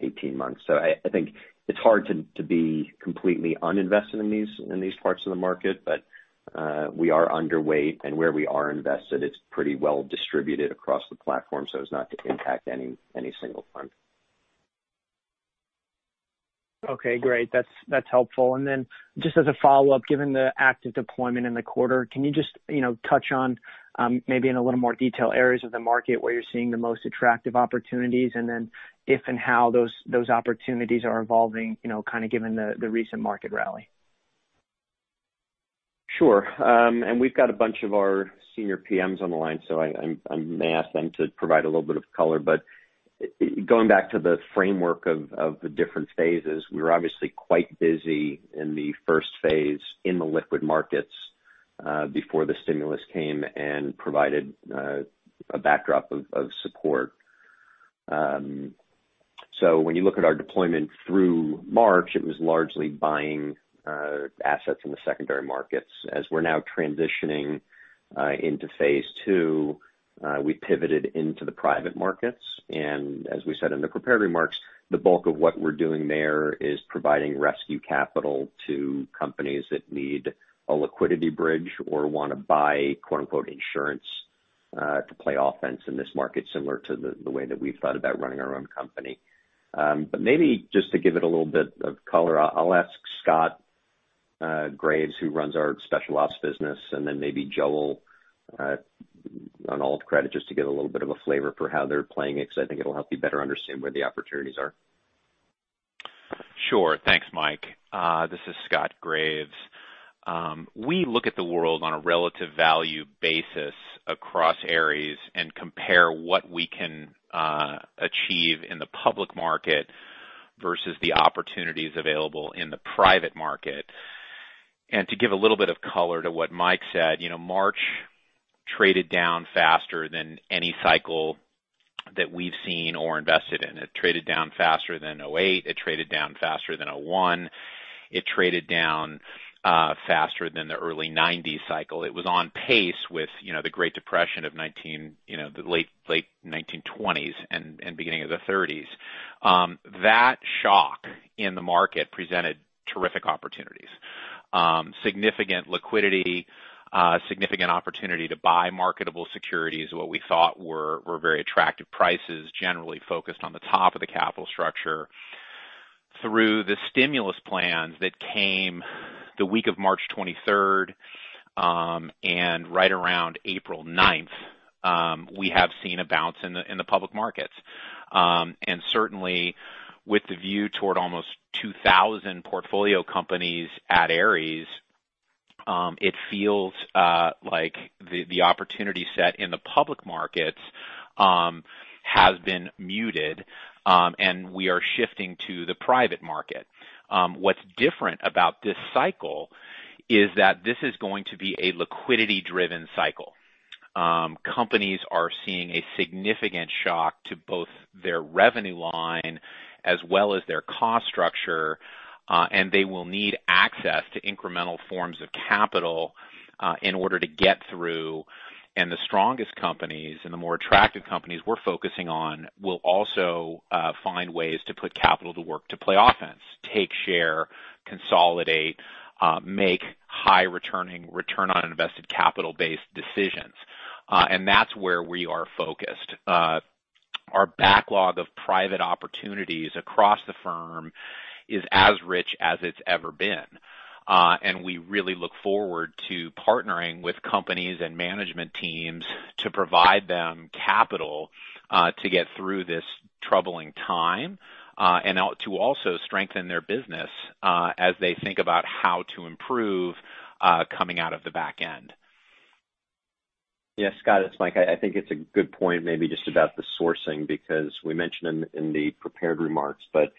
18 months. I think it's hard to be completely uninvested in these parts of the market. We are underweight, and where we are invested, it's pretty well distributed across the platform, so as not to impact any single fund. Okay, great. That's helpful. Just as a follow-up, given the active deployment in the quarter, can you just touch on, maybe in a little more detail, areas of the market where you're seeing the most attractive opportunities, and then if and how those opportunities are evolving, kind of given the recent market rally? Sure. We've got a bunch of our senior PMs on the line, so I may ask them to provide a little bit of color. Going back to the framework of the different phases, we were obviously quite busy in the first phase in the liquid markets before the stimulus came and provided a backdrop of support. When you look at our deployment through March, it was largely buying assets in the secondary markets. As we're now transitioning into phase two, we pivoted into the private markets. As we said in the prepared remarks, the bulk of what we're doing there is providing rescue capital to companies that need a liquidity bridge or want to buy "insurance" to play offense in this market, similar to the way that we've thought about running our own company. Maybe just to give it a little bit of color, I'll ask Scott Graves, who runs our Special Ops business, and then maybe Joel on Alt Credit, just to get a little bit of a flavor for how they're playing it, because I think it'll help you better understand where the opportunities are. Sure. Thanks, Mike. This is Scott Graves. We look at the world on a relative value basis across Ares and compare what we can achieve in the public market versus the opportunities available in the private market. To give a little bit of color to what Mike said, March. Traded down faster than any cycle that we've seen or invested in. It traded down faster than 2008. It traded down faster than 2001. It traded down faster than the early 1990s cycle. It was on pace with the Great Depression of the late 1920s and beginning of the 1930s. That shock in the market presented terrific opportunities. Significant liquidity, significant opportunity to buy marketable securities at what we thought were very attractive prices, generally focused on the top of the capital structure. Through the stimulus plans that came the week of March 23rd, and right around April 9th, we have seen a bounce in the public markets. Certainly, with the view toward almost 2,000 portfolio companies at Ares, it feels like the opportunity set in the public markets has been muted, and we are shifting to the private market. What's different about this cycle is that this is going to be a liquidity-driven cycle. Companies are seeing a significant shock to both their revenue line as well as their cost structure. They will need access to incremental forms of capital in order to get through. The strongest companies, and the more attractive companies we're focusing on, will also find ways to put capital to work to play offense, take share, consolidate, make high returning, return on invested capital-based decisions. That's where we are focused. Our backlog of private opportunities across the firm is as rich as it's ever been. We really look forward to partnering with companies and management teams to provide them capital to get through this troubling time, and to also strengthen their business as they think about how to improve coming out of the back end. Yeah, Scott, it's Mike. I think it's a good point maybe just about the sourcing, because we mentioned in the prepared remarks, but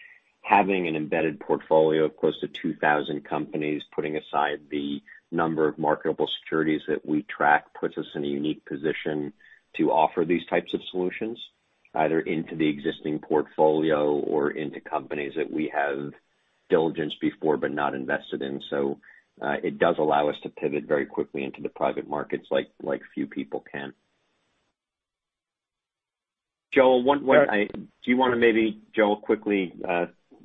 having an embedded portfolio of close to 2,000 companies, putting aside the number of marketable securities that we track, puts us in a unique position to offer these types of solutions, either into the existing portfolio or into companies that we have diligenced before but not invested in. It does allow us to pivot very quickly into the private markets like few people can. Joel, do you want to maybe quickly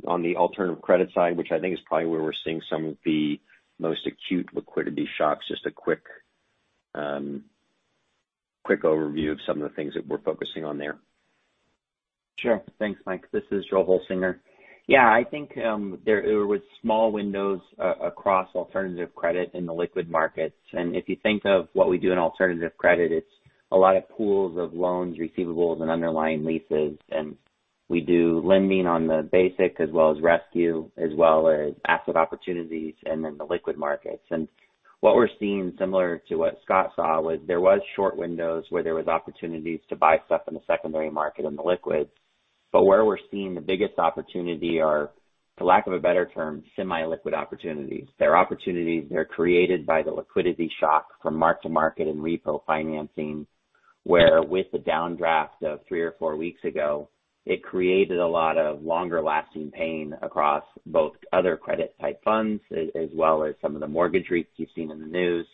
on the alternative credit side, which I think is probably where we're seeing some of the most acute liquidity shocks, just a quick overview of some of the things that we're focusing on there. Sure. Thanks, Mike. This is Joel Holsinger. I think there were small windows across alternative credit in the liquid markets. If you think of what we do in alternative credit, it's a lot of pools of loans, receivables, and underlying leases. We do lending on the basic as well as rescue, as well as asset opportunities, and then the liquid markets. What we're seeing, similar to what Scott saw, was there were short windows where there were opportunities to buy stuff in the secondary market and the liquids. Where we're seeing the biggest opportunity are, for lack of a better term, semi-liquid opportunities. They're opportunities that are created by the liquidity shock from mark to market and repo financing, where with the downdraft of three or four weeks ago, it created a lot of longer-lasting pain across both other credit type funds as well as some of the mortgage REITs you've seen in the news.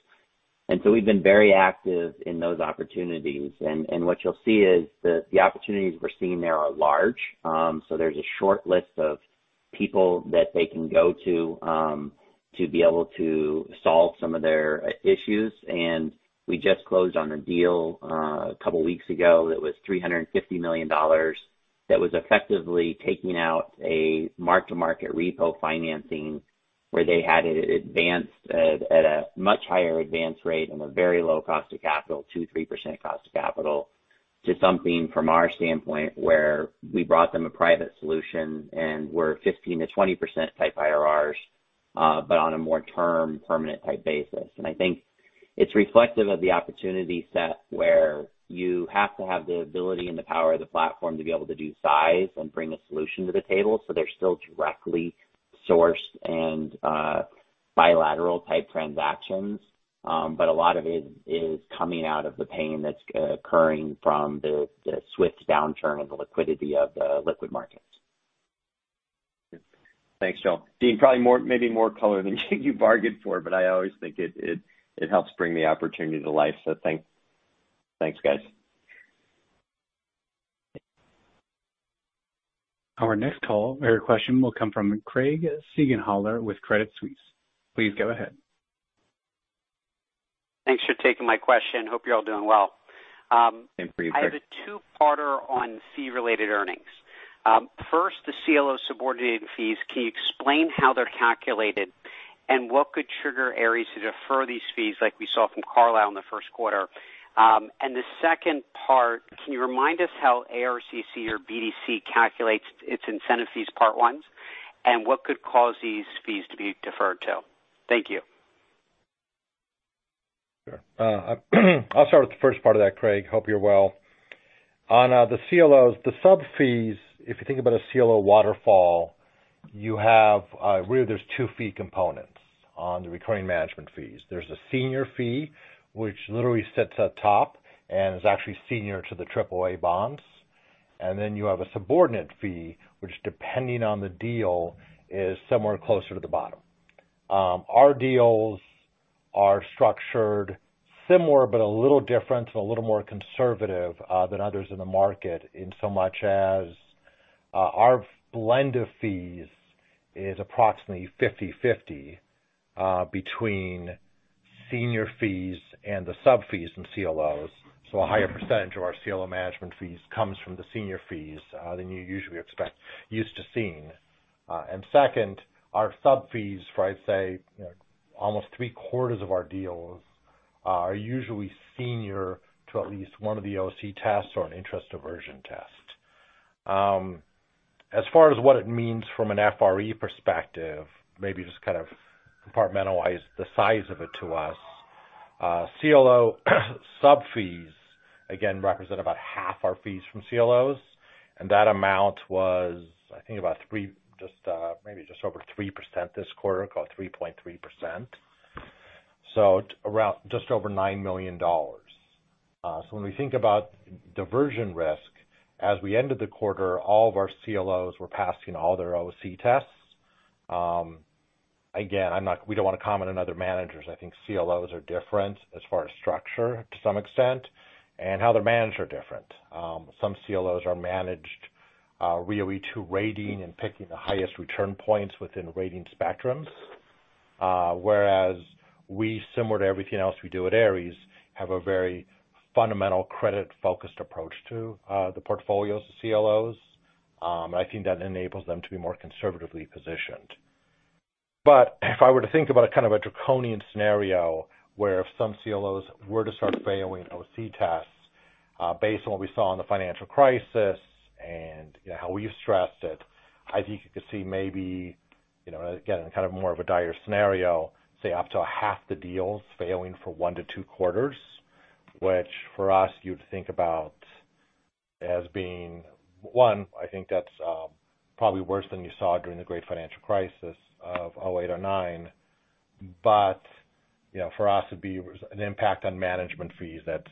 We've been very active in those opportunities. What you'll see is the opportunities we're seeing there are large. There's a short list of people that they can go to be able to solve some of their issues. We just closed on a deal a couple of weeks ago that was $350 million that was effectively taking out a mark-to-market repo financing where they had it advanced at a much higher advance rate and a very low cost of capital, 2%-3% cost of capital, to something from our standpoint where we brought them a private solution and we're 15%-20% type IRRs, but on a more term permanent type basis. I think it's reflective of the opportunity set where you have to have the ability and the power of the platform to be able to do size and bring a solution to the table. They're still directly sourced and bilateral type transactions. A lot of it is coming out of the pain that's occurring from the swift downturn of the liquidity of the liquid markets. Thanks, Joel. Dean, probably maybe more color than you bargained for. I always think it helps bring the opportunity to life. Thanks guys. Our next call or question will come from Craig Siegenthaler with Credit Suisse. Please go ahead. Thanks for taking my question. Hope you're all doing well. Same for you, Craig. I have a two-parter on fee-related earnings. First, the CLO subordinated fees. Can you explain how they're calculated and what could trigger Ares to defer these fees like we saw from Carlyle in the first quarter? The second part, can you remind us how ARCC or BDC calculates its incentive fees Part I, and what could cause these fees to be deferred too? Thank you. Sure. I'll start with the first part of that, Craig. Hope you're well. On the CLOs, the sub-fees, if you think about a CLO waterfall, really there's two fee components on the recurring management fees. There's a senior fee, which literally sits at the top and is actually senior to the AAA bonds. You have a subordinate fee, which depending on the deal, is somewhere closer to the bottom. Our deals are structured similar but a little different and a little more conservative than others in the market, in so much as our blend of fees is approximately 50/50 between senior fees and the sub-fees in CLOs. A higher percentage of our CLO management fees comes from the senior fees than you usually expect, used to seeing. Second, our sub-fees for, I'd say, almost three-quarters of our deals are usually senior to at least one of the OC tests or an interest diversion test. As far as what it means from an FRE perspective, maybe just kind of compartmentalize the size of it to us. CLO sub-fees, again, represent about half our fees from CLOs, and that amount was, I think maybe just over 3% this quarter, call it 3.3%. Just over $9 million. When we think about diversion risk, as we ended the quarter, all of our CLOs were passing all their OC tests. Again, we don't want to comment on other managers. I think CLOs are different as far as structure to some extent, and how they're managed are different. Some CLOs are managed really to rating and picking the highest return points within rating spectrums. Whereas we, similar to everything else we do at Ares, have a very fundamental credit-focused approach to the portfolios of CLOs. I think that enables them to be more conservatively positioned. If I were to think about a kind of a draconian scenario where if some CLOs were to start failing OC tests, based on what we saw in the financial crisis and how we've stressed it, I think you could see maybe, again, in kind of more of a dire scenario, say up to a half the deals failing for one to two quarters. For us, you'd think about as being, one, I think that's probably worse than you saw during the Great Financial Crisis of 2008 or 2009. For us, it'd be an impact on management fees that's,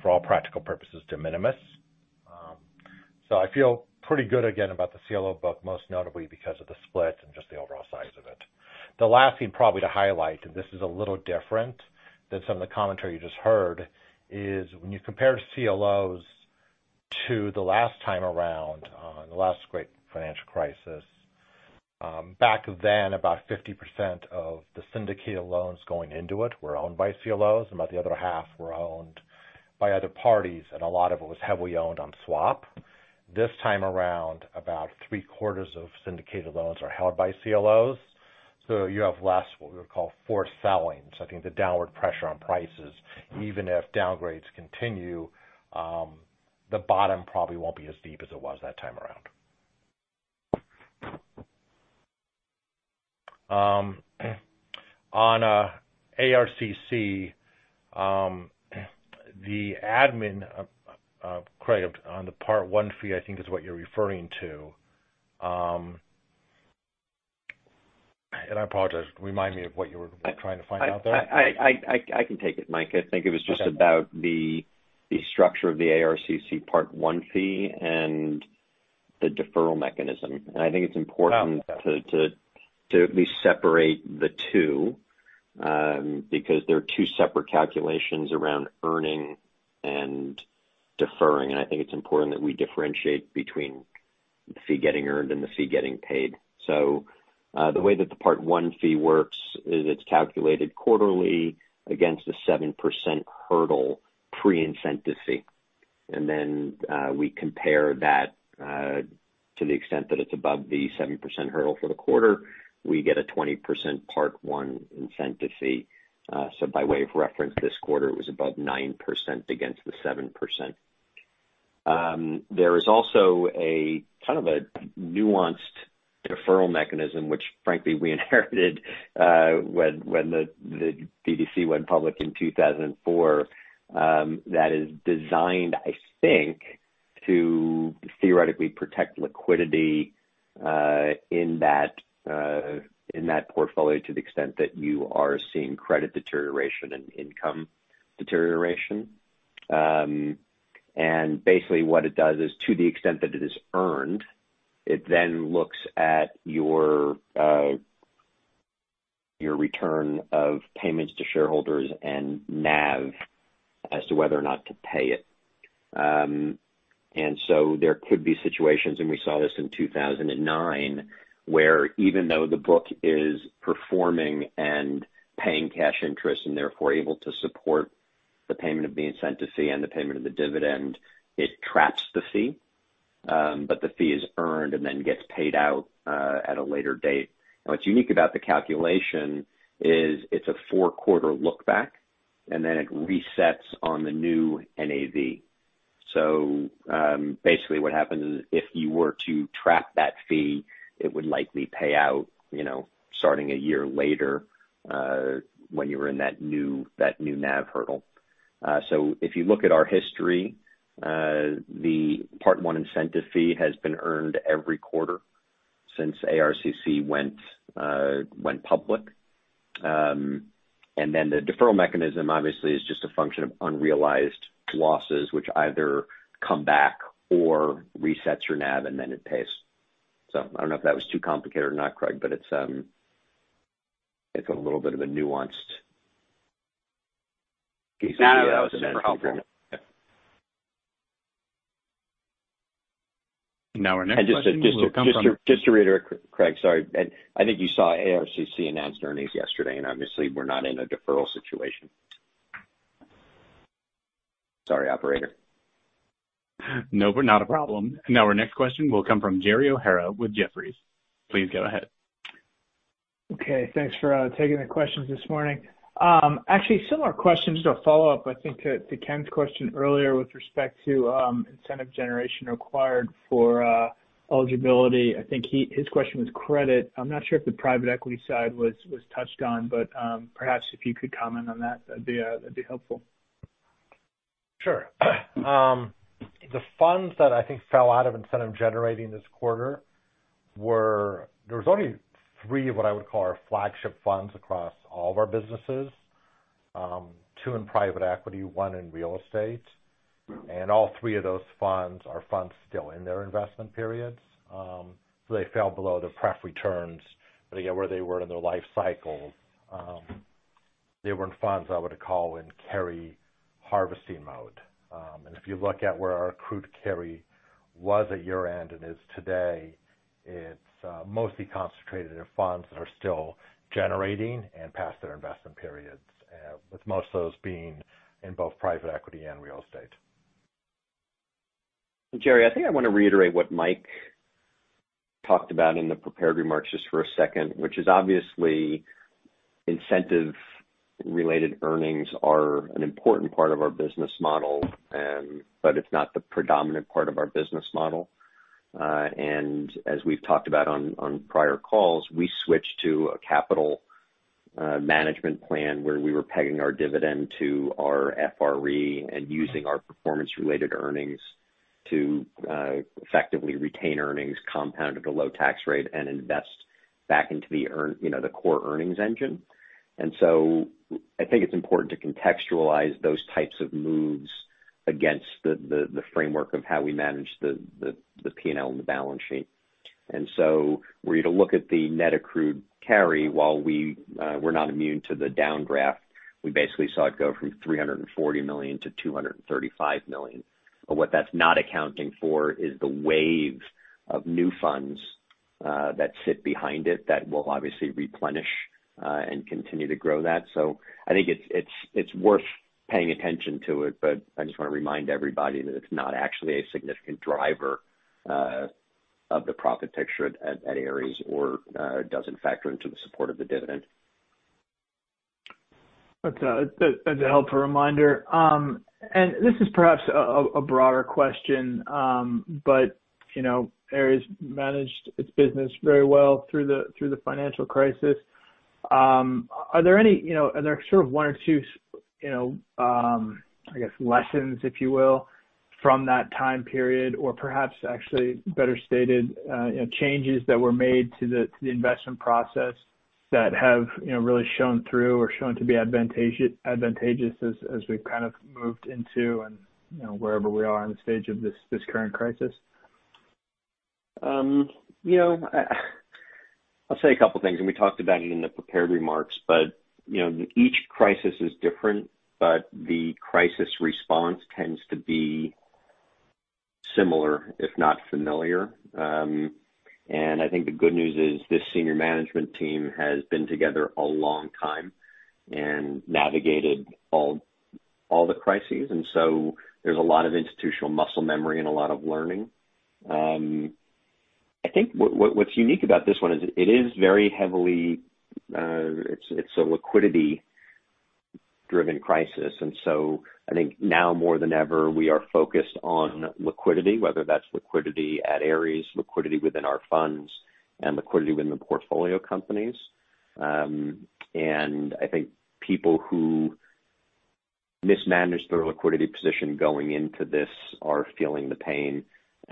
for all practical purposes, de minimis. I feel pretty good again about the CLO book, most notably because of the split and just the overall size of it. The last thing probably to highlight, this is a little different than some of the commentary you just heard, is when you compare CLOs to the last time around, the last great financial crisis. Back then, about 50% of the syndicated loans going into it were owned by CLOs, and about the other half were owned by other parties, and a lot of it was heavily owned on swap. This time around, about three-quarters of syndicated loans are held by CLOs. You have less, what we would call forced selling. I think the downward pressure on prices, even if downgrades continue, the bottom probably won't be as deep as it was that time around. On ARCC, the admin credit on the Part I fee, I think is what you're referring to. I apologize, remind me of what you were trying to find out there. I can take it, Mike. I think it was just about the structure of the ARCC Part I fee and the deferral mechanism. I think it's important to at least separate the two, because they're two separate calculations around earning and deferring. I think it's important that we differentiate between the fee getting earned and the fee getting paid. The way that the Part I fee works is it's calculated quarterly against a 7% hurdle pre-incentive fee. We compare that to the extent that it's above the 7% hurdle for the quarter, we get a 20% Part I incentive fee. By way of reference, this quarter was above 9% against the 7%. There is also a kind of a nuanced deferral mechanism, which frankly we inherited when the BDC went public in 2004. That is designed, I think, to theoretically protect liquidity in that portfolio to the extent that you are seeing credit deterioration and income deterioration. Basically what it does is, to the extent that it is earned, it then looks at your return of payments to shareholders and NAV as to whether or not to pay it. There could be situations, and we saw this in 2009, where even though the book is performing and paying cash interest, and therefore able to support the payment of the incentive fee and the payment of the dividend, it traps the fee. The fee is earned and then gets paid out at a later date. What's unique about the calculation is it's a four-quarter look back, and then it resets on the new NAV. Basically what happens is if you were to trap that fee, it would likely pay out starting a year later, when you were in that new NAV hurdle. If you look at our history, the Part I incentive fee has been earned every quarter since ARCC went public. The deferral mechanism, obviously, is just a function of unrealized losses, which either come back or resets your NAV, and then it pays. I don't know if that was too complicated or not, Craig, but it's a little bit of a nuanced piece of the analysis. No, that was no problem. Now our next question will come from. Just to reiterate, Craig, sorry. I think you saw ARCC announced earnings yesterday, and obviously we're not in a deferral situation. Sorry, operator. No, not a problem. Now our next question will come from Gerry O'Hara with Jefferies. Please go ahead. Okay. Thanks for taking the questions this morning. Actually, similar question, just a follow-up, I think, to Ken's question earlier with respect to incentive generation required for eligibility. I think his question was credit. I'm not sure if the private equity side was touched on, but perhaps if you could comment on that'd be helpful. The funds that I think fell out of incentive generating this quarter. There was only three of what I would call our flagship funds across all of our businesses. Two in private equity, one in real estate. All three of those funds are funds still in their investment periods. They fell below their pref returns, but again, where they were in their life cycle, they weren't funds I would call in carry harvesting mode. If you look at where our accrued carry was at year-end and is today, it's mostly concentrated in funds that are still generating and past their investment periods, with most of those being in both private equity and real estate. Gerry, I think I want to reiterate what Mike talked about in the prepared remarks just for a second, which is obviously incentive-related earnings are an important part of our business model, but it's not the predominant part of our business model. As we've talked about on prior calls, we switched to a capital management plan where we were pegging our dividend to our FRE and using our performance-related earnings to effectively retain earnings compounded a low tax rate and invest back into the core earnings engine. I think it's important to contextualize those types of moves against the framework of how we manage the P&L and the balance sheet. Were you to look at the net accrued carry, while we're not immune to the downdraft, we basically saw it go from $340 million to $235 million. What that's not accounting for is the wave of new funds that sit behind it that will obviously replenish and continue to grow that. I think it's worth paying attention to it, but I just want to remind everybody that it's not actually a significant driver of the profit picture at Ares, or doesn't factor into the support of the dividend. Okay. That's a helpful reminder. This is perhaps a broader question. Ares managed its business very well through the financial crisis. Are there sort of one or two, I guess, lessons, if you will, from that time period, or perhaps actually better stated changes that were made to the investment process that have really shown through or shown to be advantageous as we've kind of moved into and wherever we are in the stage of this current crisis? I'll say a couple things, and we talked about it in the prepared remarks. Each crisis is different, but the crisis response tends to be similar, if not familiar. I think the good news is this senior management team has been together a long time and navigated all the crises. So there's a lot of institutional muscle memory and a lot of learning. I think what's unique about this one is it's a liquidity-driven crisis. So I think now more than ever, we are focused on liquidity, whether that's liquidity at Ares, liquidity within our funds, and liquidity within the portfolio companies. I think people who mismanaged their liquidity position going into this are feeling the pain.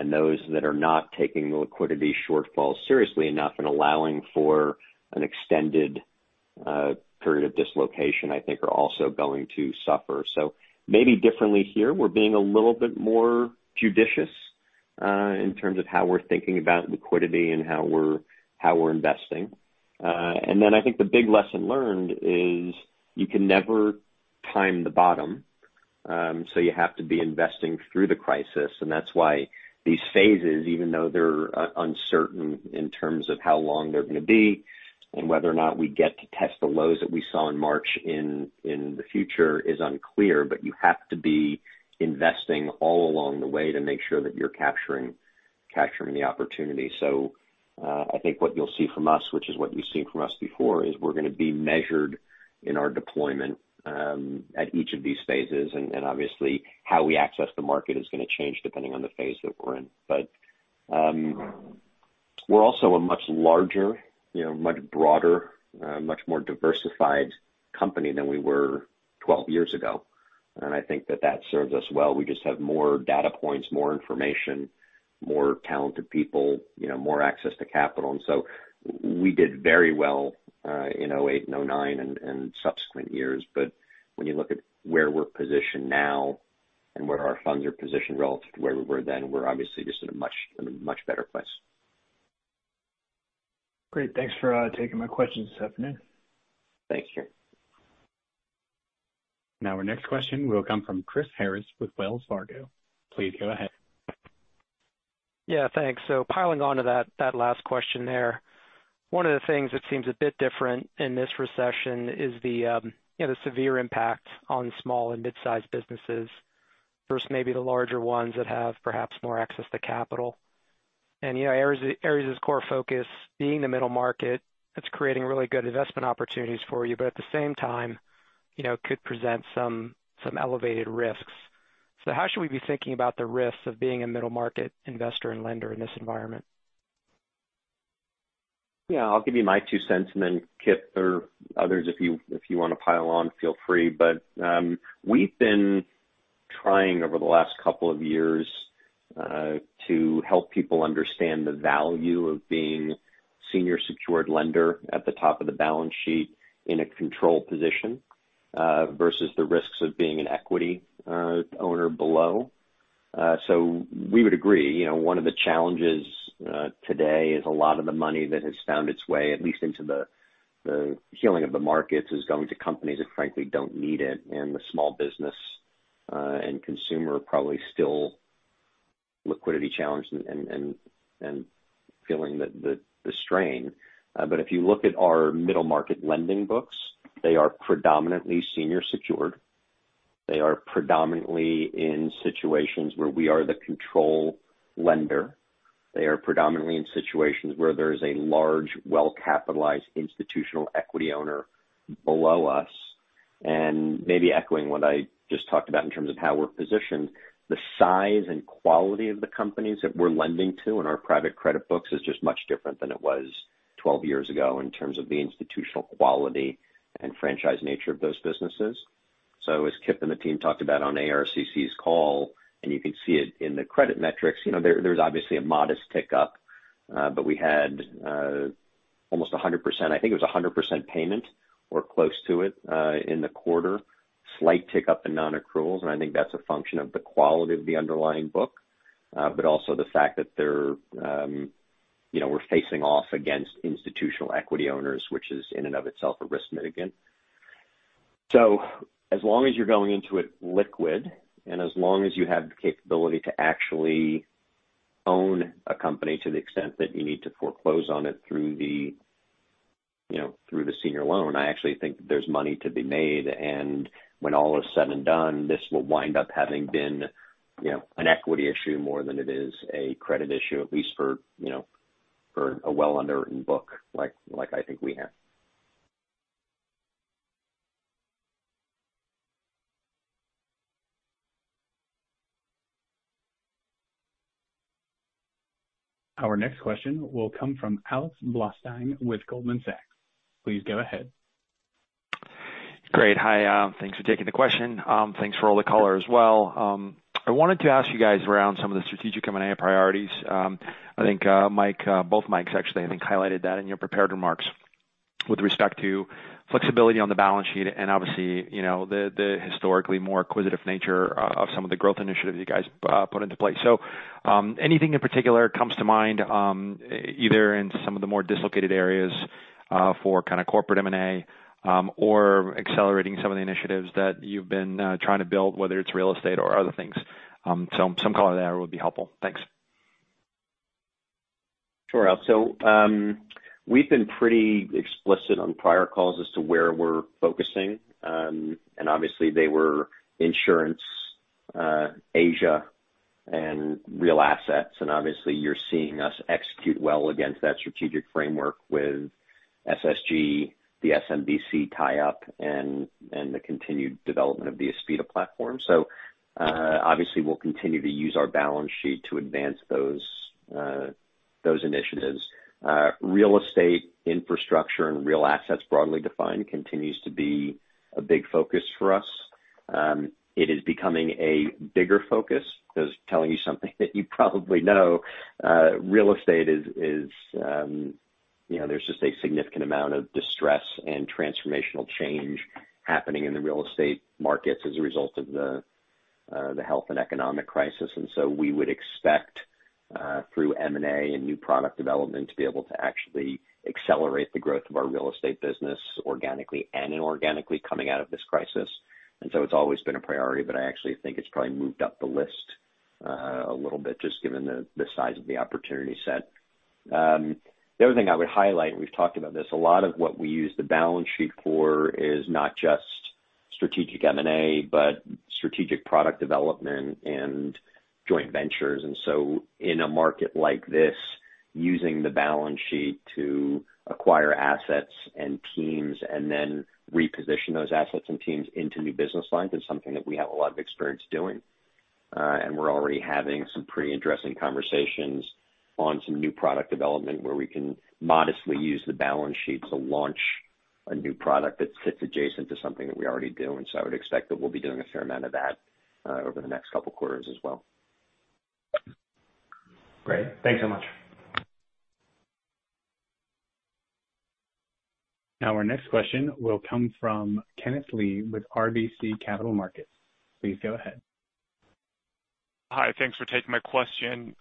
Those that are not taking the liquidity shortfall seriously enough and allowing for an extended period of dislocation, I think, are also going to suffer. Maybe differently here, we're being a little bit more judicious in terms of how we're thinking about liquidity and how we're investing. I think the big lesson learned is you can never time the bottom. You have to be investing through the crisis. That's why these phases, even though they're uncertain in terms of how long they're going to be, and whether or not we get to test the lows that we saw in March in the future is unclear. You have to be investing all along the way to make sure that you're capturing the opportunity. I think what you'll see from us, which is what you've seen from us before, is we're going to be measured in our deployment at each of these phases. Obviously, how we access the market is going to change depending on the phase that we're in. We're also a much larger, much broader, much more diversified company than we were 12 years ago. I think that that serves us well. We just have more data points, more information, more talented people, more access to capital. We did very well in 2008 and 2009 and subsequent years. When you look at where we're positioned now and where our funds are positioned relative to where we were then, we're obviously just in a much better place. Great. Thanks for taking my questions this afternoon. Thank you. Our next question will come from Chris Harris with Wells Fargo. Please go ahead. Yeah, thanks. Piling on to that last question there. One of the things that seems a bit different in this recession is the severe impact on small and mid-sized businesses versus maybe the larger ones that have perhaps more access to capital. Ares' core focus being the middle market, that's creating really good investment opportunities for you, but at the same time could present some elevated risks. How should we be thinking about the risks of being a middle market investor and lender in this environment? Yeah, I'll give you my two cents and then Kipp or others, if you want to pile on, feel free. We've been trying over the last couple of years to help people understand the value of being senior secured lender at the top of the balance sheet in a control position versus the risks of being an equity owner below. We would agree, one of the challenges today is a lot of the money that has found its way, at least into the healing of the markets, is going to companies that frankly don't need it. The small business and consumer are probably still liquidity challenged and feeling the strain. If you look at our middle market lending books, they are predominantly senior secured. They are predominantly in situations where we are the control lender. They are predominantly in situations where there is a large, well-capitalized institutional equity owner below us. Maybe echoing what I just talked about in terms of how we're positioned, the size and quality of the companies that we're lending to in our private credit books is just much different than it was 12 years ago in terms of the institutional quality and franchise nature of those businesses. As Kipp and the team talked about on ARCC's call, and you can see it in the credit metrics, there's obviously a modest tick-up. We had almost 100%, I think it was 100% payment or close to it in the quarter. Slight tick-up in non-accruals, and I think that's a function of the quality of the underlying book. Also the fact that we're facing off against institutional equity owners, which is in and of itself a risk mitigant. As long as you're going into it liquid, and as long as you have the capability to actually own a company to the extent that you need to foreclose on it through the senior loan, I actually think there's money to be made. When all is said and done, this will wind up having been an equity issue more than it is a credit issue, at least for a well-underwritten book like I think we have. Our next question will come from Alex Blostein with Goldman Sachs. Please go ahead. Great. Hi, thanks for taking the question. Thanks for all the color as well. I wanted to ask you guys around some of the strategic M&A priorities. I think both Mikes actually, I think highlighted that in your prepared remarks with respect to flexibility on the balance sheet and obviously, the historically more acquisitive nature of some of the growth initiatives you guys put into place. Anything in particular comes to mind either in some of the more dislocated areas for kind of corporate M&A or accelerating some of the initiatives that you've been trying to build, whether it's real estate or other things? Some color there would be helpful. Thanks. Sure, Alex. We've been pretty explicit on prior calls as to where we're focusing. Obviously they were insurance, Asia, and real assets. Obviously you're seeing us execute well against that strategic framework with SSG, the SMBC tie-up, and the continued development of the Aspida platform. Obviously we'll continue to use our balance sheet to advance those initiatives. Real estate infrastructure and real assets broadly defined continues to be a big focus for us. It is becoming a bigger focus because telling you something that you probably know, real estate there's just a significant amount of distress and transformational change happening in the real estate markets as a result of the health and economic crisis. We would expect through M&A and new product development to be able to actually accelerate the growth of our real estate business organically and inorganically coming out of this crisis. It's always been a priority, but I actually think it's probably moved up the list a little bit just given the size of the opportunity set. The other thing I would highlight, we've talked about this, a lot of what we use the balance sheet for is not just strategic M&A, but strategic product development and joint ventures. In a market like this, using the balance sheet to acquire assets and teams and then reposition those assets and teams into new business lines is something that we have a lot of experience doing. We're already having some pretty interesting conversations on some new product development where we can modestly use the balance sheet to launch a new product that sits adjacent to something that we already do. I would expect that we'll be doing a fair amount of that over the next couple quarters as well. Great. Thanks so much. Our next question will come from Kenneth Lee with RBC Capital Markets. Please go ahead. Hi. Thanks for taking my question.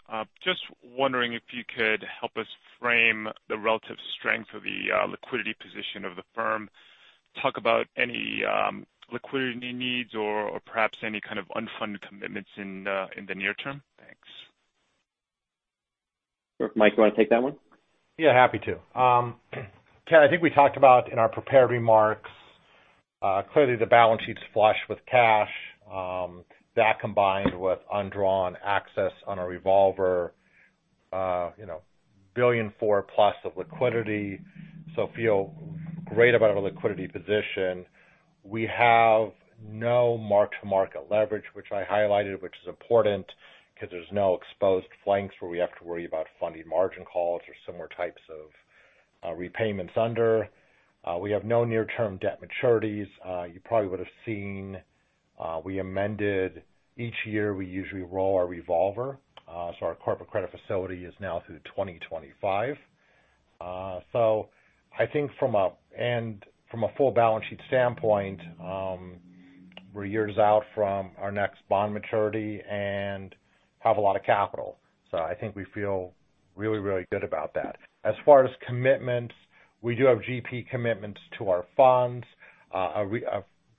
Just wondering if you could help us frame the relative strength of the liquidity position of the firm, talk about any liquidity needs or perhaps any kind of unfunded commitments in the near term. Thanks. Mike, you want to take that one? Yeah, happy to. Ken, I think we talked about in our prepared remarks, clearly the balance sheet's flush with cash, that combined with undrawn access on a revolver, $1.4 billion plus of liquidity. We feel great about our liquidity position. We have no mark-to-market leverage, which I highlighted, which is important because there's no exposed flanks where we have to worry about funding margin calls or similar types of repayments under. We have no near-term debt maturities. You probably would have seen we amended each year, we usually roll our revolver. Our corporate credit facility is now through 2025. I think from a full balance sheet standpoint, we're years out from our next bond maturity and have a lot of capital. I think we feel really, really good about that. As far as commitments, we do have GP commitments to our funds. A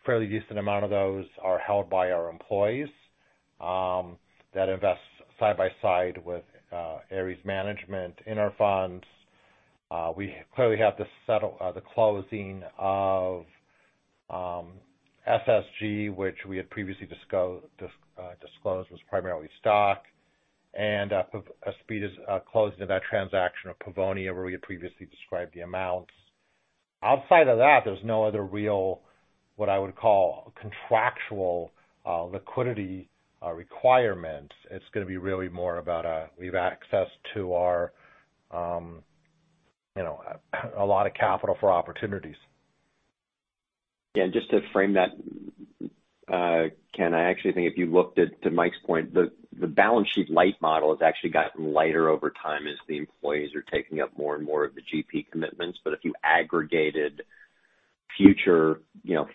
fairly decent amount of those are held by our employees that invest side by side with Ares Management in our funds. We clearly have the closing of SSG, which we had previously disclosed was primarily stock, and Aspida's closing of that transaction of Pavonia, where we had previously described the amounts. Outside of that, there's no other real, what I would call contractual liquidity requirements. It's going to be really more about we have access to a lot of capital for opportunities. Yeah, just to frame that, Ken, I actually think if you looked at, to Mike's point, the balance sheet light model has actually gotten lighter over time as the employees are taking up more and more of the GP commitments. If you aggregated future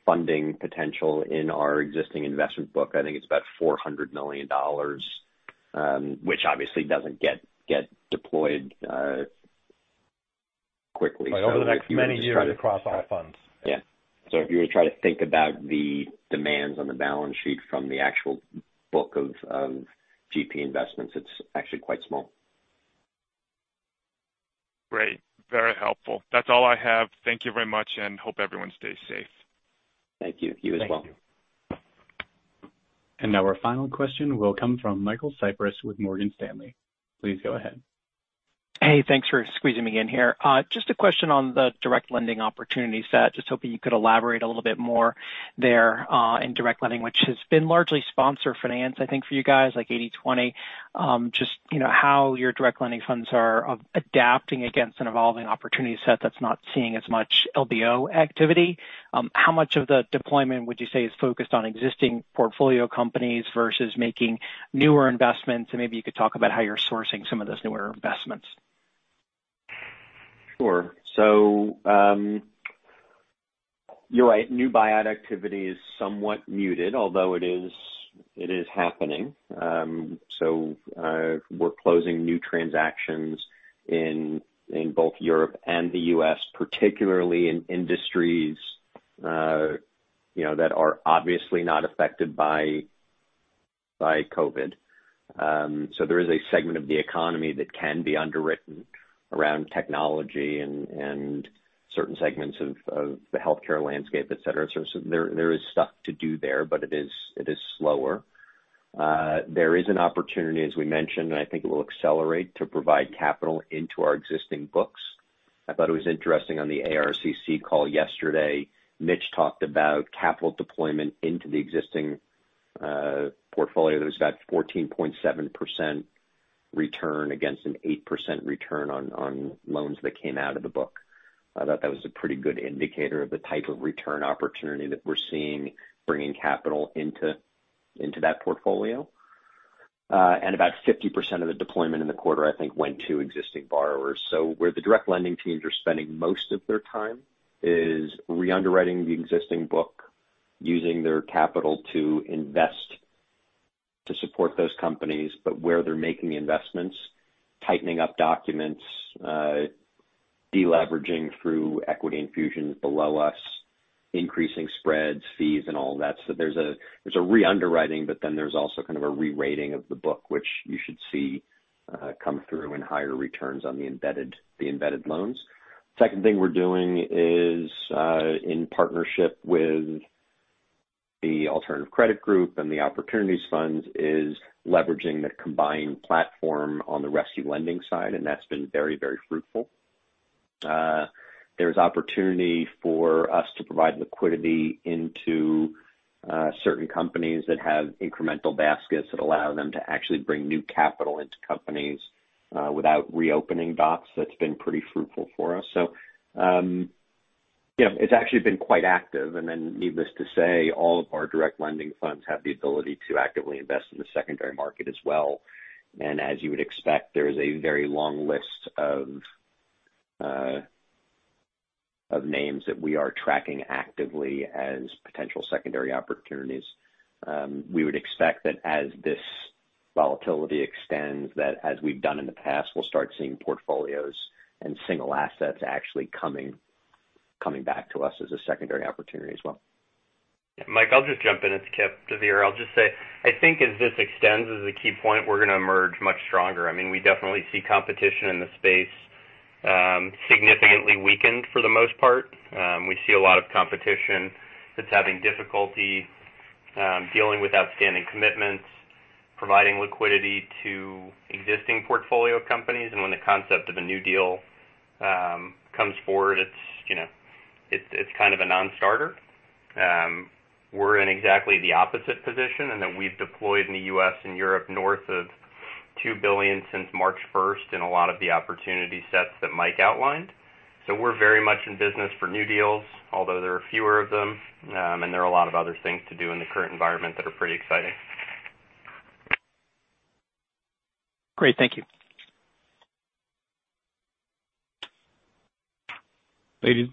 funding potential in our existing investment book, I think it's about $400 million, which obviously doesn't get deployed quickly. Over the next many years across all funds. Yeah. If you were to try to think about the demands on the balance sheet from the actual book of GP investments, it's actually quite small. Great. Very helpful. That's all I have. Thank you very much, and hope everyone stays safe. Thank you. You as well. Thank you. Now our final question will come from Michael Cyprys with Morgan Stanley. Please go ahead. Hey, thanks for squeezing me in here. Just a question on the direct lending opportunity set. Just hoping you could elaborate a little bit more there in direct lending, which has been largely sponsor finance, I think, for you guys, like 80/20. Just how your direct lending funds are adapting against an evolving opportunity set that's not seeing as much LBO activity. How much of the deployment would you say is focused on existing portfolio companies versus making newer investments? Maybe you could talk about how you're sourcing some of those newer investments. Sure. You're right, new buyout activity is somewhat muted, although it is happening. We're closing new transactions in both Europe and the U.S., particularly in industries that are obviously not affected by COVID. There is a segment of the economy that can be underwritten around technology and certain segments of the healthcare landscape, et cetera. There is stuff to do there, but it is slower. There is an opportunity, as we mentioned, and I think it will accelerate to provide capital into our existing books. I thought it was interesting on the ARCC call yesterday, Mitch talked about capital deployment into the existing portfolio that was about 14.7% return against an 8% return on loans that came out of the book. I thought that was a pretty good indicator of the type of return opportunity that we're seeing bringing capital into that portfolio. About 50% of the deployment in the quarter, I think, went to existing borrowers. Where the direct lending teams are spending most of their time is re-underwriting the existing book, using their capital to invest to support those companies, but where they're making the investments, tightening up documents, de-leveraging through equity infusion below us, increasing spreads, fees, and all that. There's a re-underwriting, but then there's also kind of a re-rating of the book, which you should see come through in higher returns on the embedded loans. Second thing we're doing is in partnership with the alternative credit group and the opportunities funds is leveraging the combined platform on the rescue lending side, and that's been very, very fruitful. There's opportunity for us to provide liquidity into certain companies that have incremental baskets that allow them to actually bring new capital into companies without reopening docs. That's been pretty fruitful for us. It's actually been quite active. Needless to say, all of our direct lending funds have the ability to actively invest in the secondary market as well. As you would expect, there is a very long list of names that we are tracking actively as potential secondary opportunities. We would expect that as this volatility extends, that as we've done in the past, we'll start seeing portfolios and single assets actually coming back to us as a secondary opportunity as well. Yeah. Mike, I'll just jump in. It's Kipp deVeer. I'll just say, I think as this extends, as a key point, we're going to emerge much stronger. We definitely see competition in the space significantly weakened for the most part. We see a lot of competition that's having difficulty dealing with outstanding commitments, providing liquidity to existing portfolio companies. When the concept of a new deal comes forward, it's kind of a non-starter. We're in exactly the opposite position in that we've deployed in the U.S. and Europe north of $2 billion since March 1st in a lot of the opportunity sets that Mike outlined. We're very much in business for new deals, although there are fewer of them, and there are a lot of other things to do in the current environment that are pretty exciting. Great. Thank you. Ladies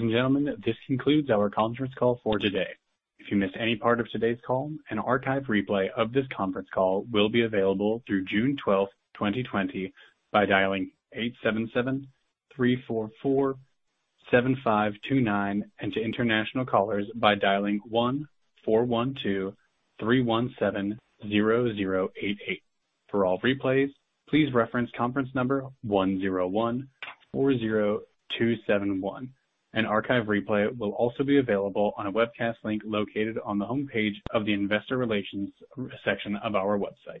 and gentlemen, this concludes our conference call for today. If you missed any part of today's call, an archive replay of this conference call will be available through June 12th, 2020 by dialing 877-344-7529, and to international callers by dialing 1-412-317-0088. For all replays, please reference conference number 10140271. An archive replay will also be available on a webcast link located on the homepage of the investor relations section of our website.